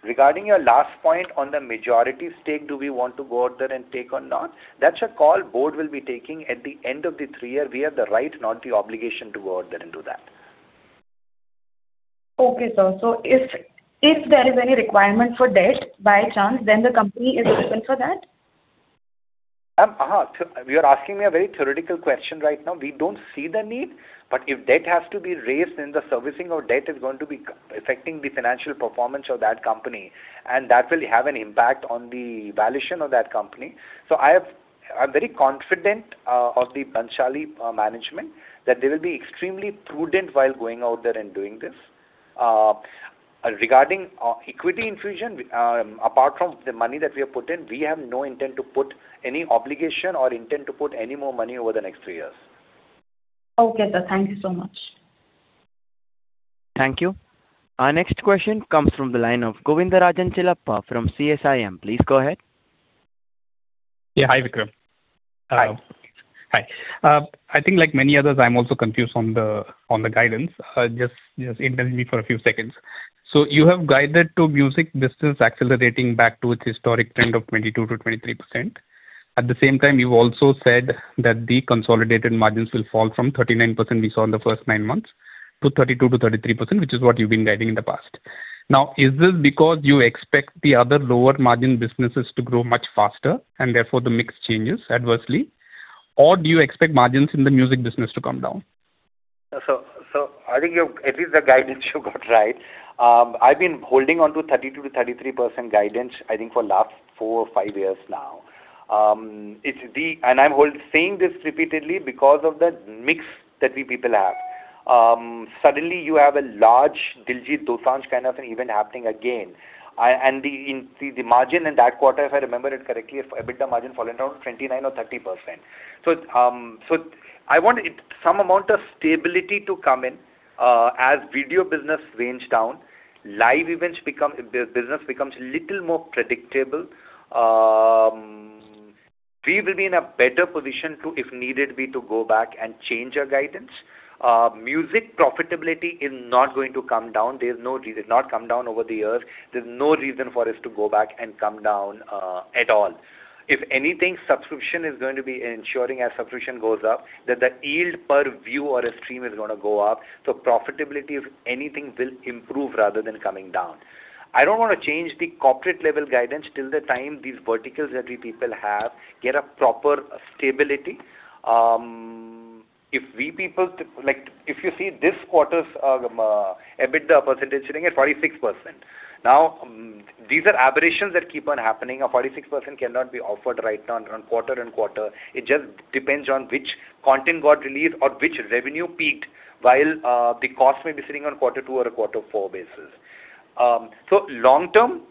Regarding your last point on the majority stake, do we want to go out there and take or not? That's a call option we'll be taking at the end of the three-year. We have the right, not the obligation, to go out there and do that. Okay, sir. So if there is any requirement for debt by chance, then the company is open for that? You're asking me a very theoretical question right now. We don't see the need, but if debt has to be raised, then the servicing of debt is going to be affecting the financial performance of that company, and that will have an impact on the valuation of that company. So I'm very confident of the Bhansali management that they will be extremely prudent while going out there and doing this. Regarding equity infusion, we, apart from the money that we have put in, we have no intent to put any obligation or intent to put any more money over the next three years. Okay, sir. Thank you so much. Thank you. Our next question comes from the line of Govindarajan Chellappa from CSIM. Please go ahead. Yeah. Hi, Vikram. Hi. Hi. I think like many others, I'm also confused on the guidance. Just, just indulge me for a few seconds. So you have guided to music business accelerating back to its historic trend of 22%-23%. At the same time, you've also said that the consolidated margins will fall from 39% we saw in the first nine months, to 32%-33%, which is what you've been guiding in the past. Now, is this because you expect the other lower margin businesses to grow much faster, and therefore the mix changes adversely, or do you expect margins in the music business to come down? So I think you've at least the guidance you got right. I've been holding on to 32%-33% guidance, I think, for last 4 or 5 years now. It's the—And I'm saying this repeatedly because of the mix that we people have. Suddenly, you have a large Diljit Dosanjh kind of an event happening again. And the margin in that quarter, if I remember it correctly, EBITDA margin fallen down 29% or 30%. So I want some amount of stability to come in, as video business ramps down, live events become, the business becomes little more predictable, we will be in a better position to, if needed be, to go back and change our guidance. Music profitability is not going to come down. There's no reason. It not come down over the years. There's no reason for us to go back and come down at all. If anything, subscription is going to be ensuring as subscription goes up, that the yield per view or a stream is gonna go up. So profitability, if anything, will improve rather than coming down. I don't want to change the corporate level guidance till the time these verticals that we people have get a proper stability. If we people, like, if you see this quarter's EBITDA percentage sitting at 46%. Now, these are aberrations that keep on happening. A 46% cannot be offered right now on quarter and quarter. It just depends on which content got released or which revenue peaked, while the cost may be sitting on quarter two or a quarter four basis. Long term,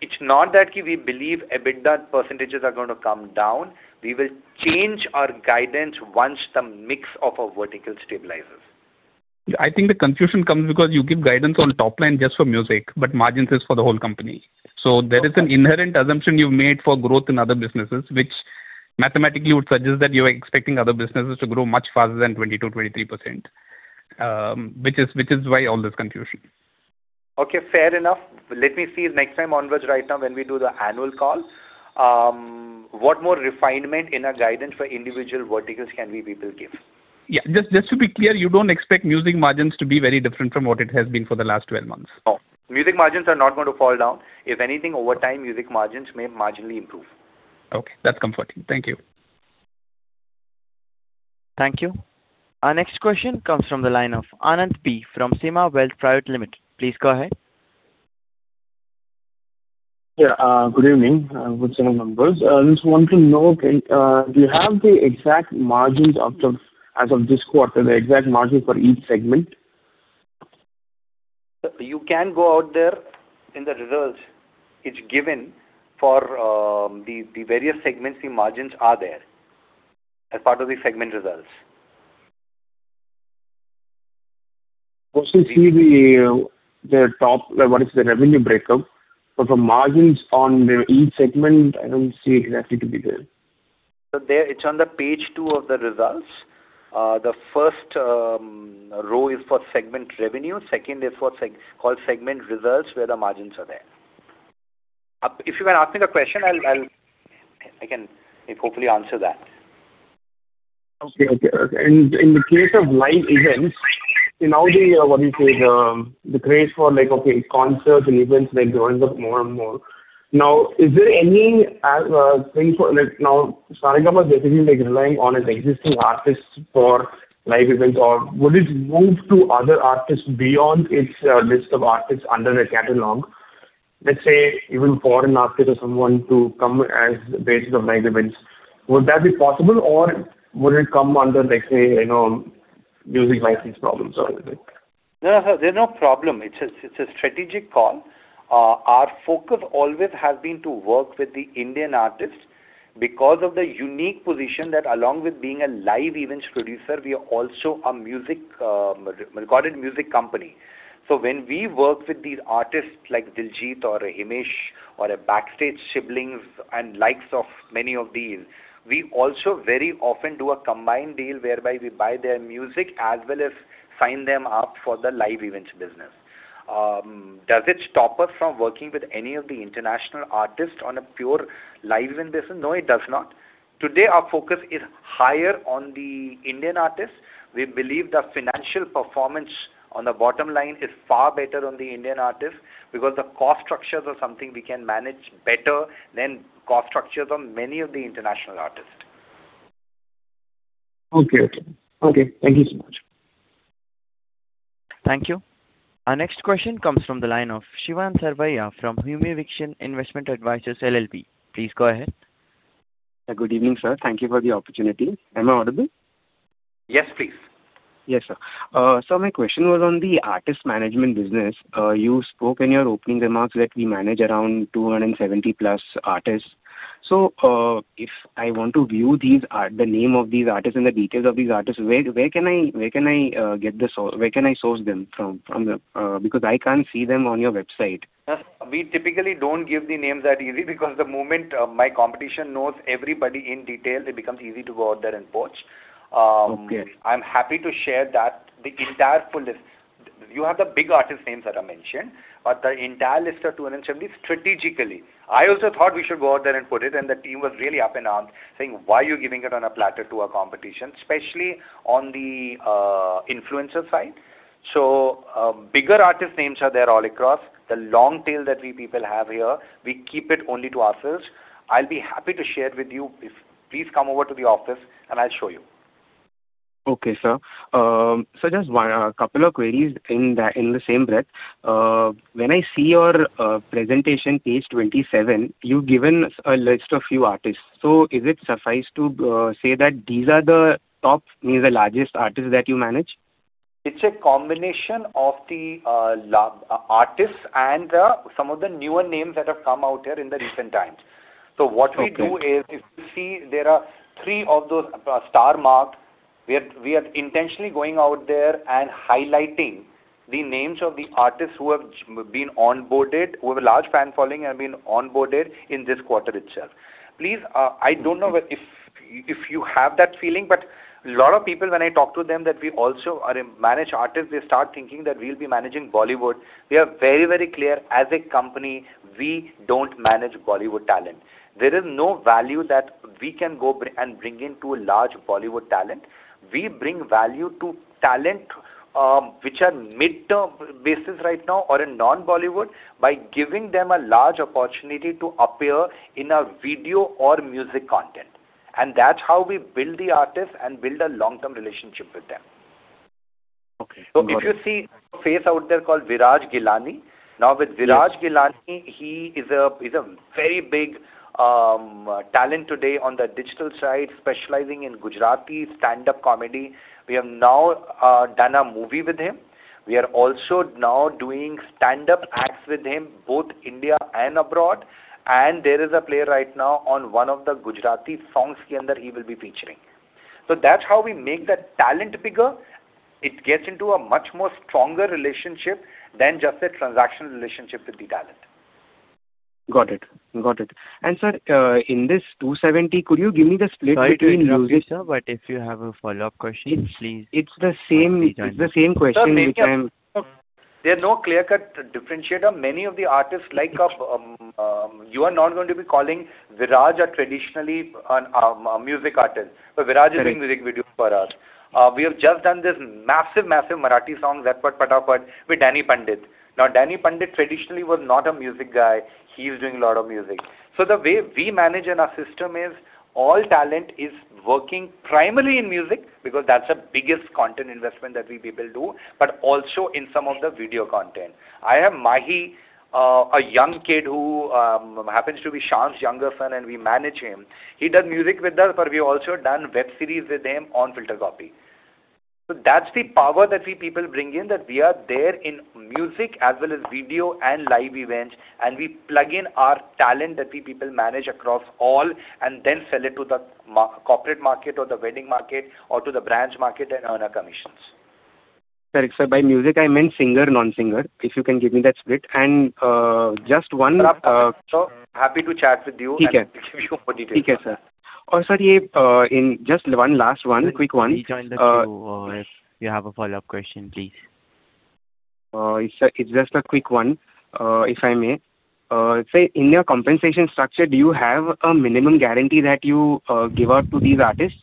it's not that we believe EBITDA percentages are going to come down. We will change our guidance once the mix of our vertical stabilizes. I think the confusion comes because you give guidance on top line just for music, but margins is for the whole company. Okay. So there is an inherent assumption you've made for growth in other businesses, which mathematically would suggest that you are expecting other businesses to grow much faster than 20%-23%, which is, which is why all this confusion. Okay, fair enough. Let me see if next time onwards, right now, when we do the annual call, what more refinement in our guidance for individual verticals can we, we will give? Yeah. Just, just to be clear, you don't expect music margins to be very different from what it has been for the last 12 months? No. Music margins are not going to fall down. If anything, over time, music margins may marginally improve. Okay, that's comforting. Thank you. Thank you. Our next question comes from the line of Anand P from Seema Wealth Private Limited. Please go ahead. Yeah, good evening, good evening, members. Just want to know, do you have the exact margins of the, as of this quarter, the exact margin for each segment? You can go out there in the results. It's given for the various segments, the margins are there as part of the segment results. Also see the top, what is the revenue breakup, but the margins on each segment, I don't see it has to be there. So there, it's on the page 2 of the results. The first row is for segment revenue, second is called segment results, where the margins are there. If you can ask me the question, I can hopefully answer that. Okay, okay, okay. In the case of live events, now the, what do you say, the craze for, like, okay, concerts and events, like, goes up more and more. Now, is there any thing for, like, now, Saregama is definitely, like, relying on its existing artists for live events, or would it move to other artists beyond its list of artists under the catalog?... let's say, even foreign artist or someone to come as the basis of my events, would that be possible or would it come under, like, say, you know, music license problems or anything? No, there's no problem. It's a, it's a strategic call. Our focus always has been to work with the Indian artists because of the unique position that along with being a live events producer, we are also a music, recorded music company. So when we work with these artists, like Diljit or Himesh or a Backstage Siblings and likes of many of these, we also very often do a combined deal whereby we buy their music as well as sign them up for the live events business. Does it stop us from working with any of the international artists on a pure live event business? No, it does not. Today, our focus is higher on the Indian artists. We believe the financial performance on the bottom line is far better on the Indian artists, because the cost structures are something we can manage better than cost structures on many of the international artists. Okay. Okay. Thank you so much. Thank you. Our next question comes from the line of Shivant Sarvaiya from Hume Vision Investment Advisors LLP. Please go ahead. Good evening, sir. Thank you for the opportunity. Am I audible? Yes, please. Yes, sir. So my question was on the artist management business. You spoke in your opening remarks that we manage around 270+ artists. So, if I want to view these the name of these artists and the details of these artists, where can I get the source? Where can I source them from, from the, because I can't see them on your website. We typically don't give the names that easy, because the moment my competition knows everybody in detail, it becomes easy to go out there and poach. Okay. I'm happy to share that the entire full list. You have the big artist names that I mentioned, but the entire list of 270, strategically. I also thought we should go out there and put it, and the team was really up in arms, saying: "Why are you giving it on a platter to our competition?" Especially on the influencer side. So, bigger artist names are there all across. The long tail that we people have here, we keep it only to ourselves. I'll be happy to share with you if please come over to the office, and I'll show you. Okay, sir. So just one couple of queries in the same breath. When I see your presentation, page 27, you've given us a list of few artists. So is it suffice to say that these are the top, maybe the largest artists that you manage? It's a combination of the legacy artists and some of the newer names that have come out here in the recent times. Okay. So what we do is, if you see, there are three of those, star marked. We are intentionally going out there and highlighting the names of the artists who have been onboarded, who have a large fan following and been onboarded in this quarter itself. Please, I don't know if you have that feeling, but a lot of people, when I talk to them, that we also are a managed artist, they start thinking that we'll be managing Bollywood. We are very, very clear, as a company, we don't manage Bollywood talent. There is no value that we can go bring, and bring in to a large Bollywood talent. We bring value to talent, which are mid-term basis right now or in non-Bollywood, by giving them a large opportunity to appear in a video or music content. That's how we build the artists and build a long-term relationship with them. Okay. If you see a face out there called Viraj Ghelani. Now, with Viraj Ghelani- Yes. He’s a very big talent today on the digital side, specializing in Gujarati stand-up comedy. We have now done a movie with him. We are also now doing stand-up acts with him, both India and abroad, and there is a play right now on one of the Gujarati songs he will be featuring. So that’s how we make that talent bigger. It gets into a much more stronger relationship than just a transactional relationship with the talent. Got it. Got it. And, sir, in this 270, could you give me the split between music- Sorry to interrupt you, sir, but if you have a follow-up question, please. It's the same- Please go ahead. It's the same question, which I'm- Sir, there are no clear-cut differentiator. Many of the artists, like, you are not going to be calling Viraj a traditionally, a music artist, but Viraj is doing music video for us. Right. We have just done this massive, massive Marathi song, "Zapat Patapat," with Danny Pandit. Now, Danny Pandit traditionally was not a music guy. He's doing a lot of music. So the way we manage in our system is, all talent is working primarily in music, because that's the biggest content investment that we people do, but also in some of the video content. I have Maahi, a young kid who happens to be Shaan's younger son, and we manage him. He does music with us, but we've also done web series with him on FilterCopy. So that's the power that we people bring in, that we are there in music as well as video and live events, and we plug in our talent that we people manage across all, and then sell it to the corporate market or the wedding market or to the brands market and earn our commissions. Correct, sir. By music, I meant singer, non-singer, if you can give me that split. And, just one- Sir, I'm so happy to chat with you- Okay. And give you more details. Okay, sir. Sir, yeah, in just one last one, quick one. If you have a follow-up question, please. It's just a quick one, if I may. Say, in your compensation structure, do you have a minimum guarantee that you give out to these artists?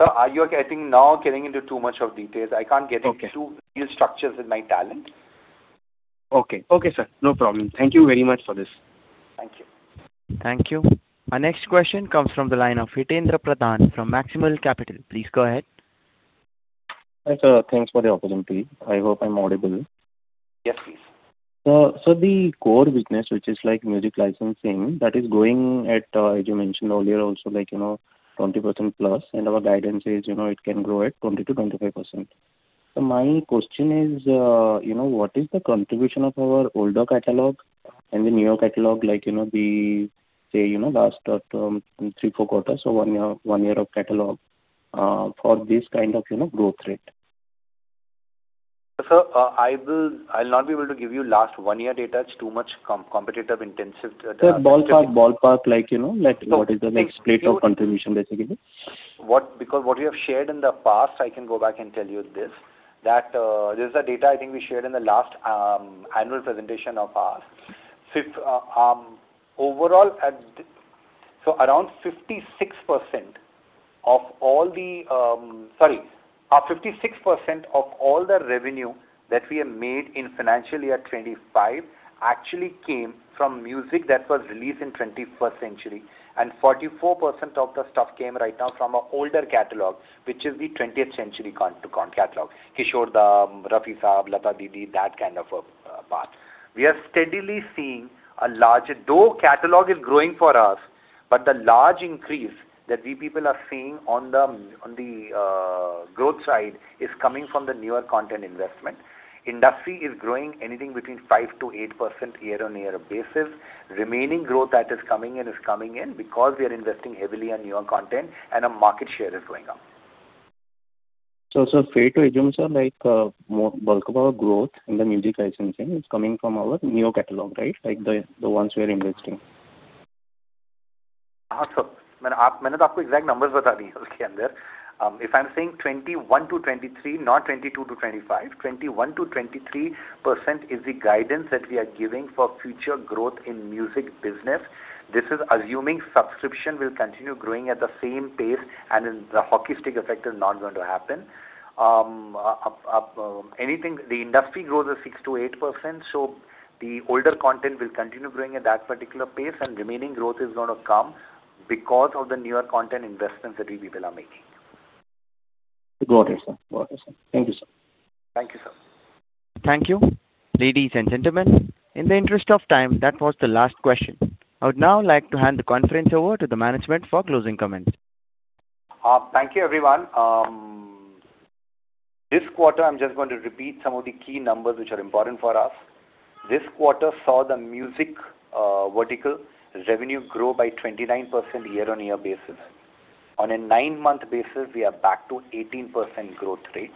Sir, are you getting... Now, getting into too much of details. I can't get into- Okay. Deal structures with my talent. Okay. Okay, sir, no problem. Thank you very much for this. Thank you. Our next question comes from the line of Hitendra Pradhan from Maximal Capital. Please go ahead. Hi, sir. Thanks for the opportunity. I hope I'm audible. Yes, please. So the core business, which is like music licensing, that is growing at, as you mentioned earlier, also like, you know, 20% plus, and our guidance is, you know, it can grow at 20%-25%. So my question is, you know, what is the contribution of our older catalog and the newer catalog, like, you know, the, say, you know, last, three, four quarters or one year, one year of catalog, for this kind of, you know, growth rate? Sir, I'll not be able to give you last one year data. It's too much competitive intensive- Sir, ballpark, ballpark, like, you know, like what is the next rate of contribution, basically? Because what we have shared in the past, I can go back and tell you this, that this is the data I think we shared in the last annual presentation of ours. So around 56% of all the revenue that we have made in financial year 2025 actually came from music that was released in twenty-first century, and 44% of the stuff came right now from our older catalog, which is the twentieth century content catalog. Kishore, the Rafi Saab, Lata Didi, that kind of part. We are steadily seeing a larger, though catalog is growing for us, but the large increase that we people are seeing on the growth side is coming from the newer content investment. Industry is growing anything between 5%-8% year-on-year basis. Remaining growth that is coming in is coming in because we are investing heavily on newer content and our market share is going up. Sir, fair to assume, sir, like, more bulk of our growth in the music licensing is coming from our new catalog, right? Like the ones we are investing. Sir, if I'm saying 21%-23%, not 22%-25%, 21%-23% is the guidance that we are giving for future growth in music business. This is assuming subscription will continue growing at the same pace, and then the hockey stick effect is not going to happen. The industry growth is 6%-8%, so the older content will continue growing at that particular pace, and remaining growth is gonna come because of the newer content investments that we people are making. Got it, sir. Got it, sir. Thank you, sir. Thank you, sir. Thank you. Ladies and gentlemen, in the interest of time, that was the last question. I would now like to hand the conference over to the management for closing comments. Thank you, everyone. This quarter, I'm just going to repeat some of the key numbers which are important for us. This quarter saw the music vertical revenue grow by 29% year-on-year basis. On a nine-month basis, we are back to 18% growth rate.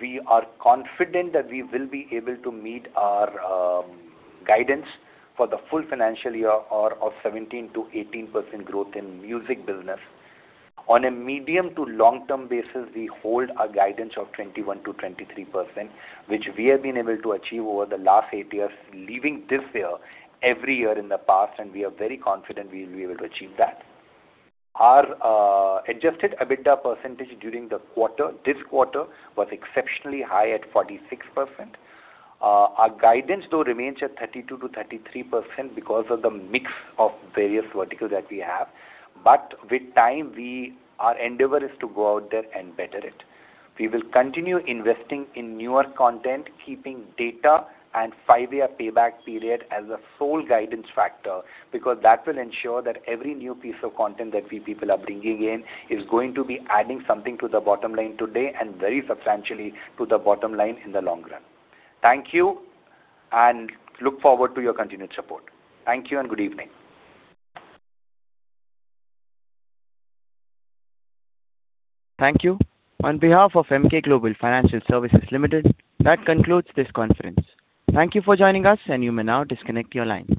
We are confident that we will be able to meet our guidance for the full financial year of 17%-18% growth in music business. On a medium to long-term basis, we hold our guidance of 21%-23%, which we have been able to achieve over the last eight years, leaving this year, every year in the past, and we are very confident we will be able to achieve that. Our Adjusted EBITDA percentage during the quarter, this quarter, was exceptionally high at 46%. Our guidance, though, remains at 32%-33% because of the mix of various verticals that we have. But with time, we, our endeavor is to go out there and better it. We will continue investing in newer content, keeping data and five-year payback period as the sole guidance factor, because that will ensure that every new piece of content that we people are bringing in is going to be adding something to the bottom line today and very substantially to the bottom line in the long run. Thank you, and look forward to your continued support. Thank you and good evening. Thank you. On behalf of Emkay Global Financial Services Limited, that concludes this conference. Thank you for joining us, and you may now disconnect your lines.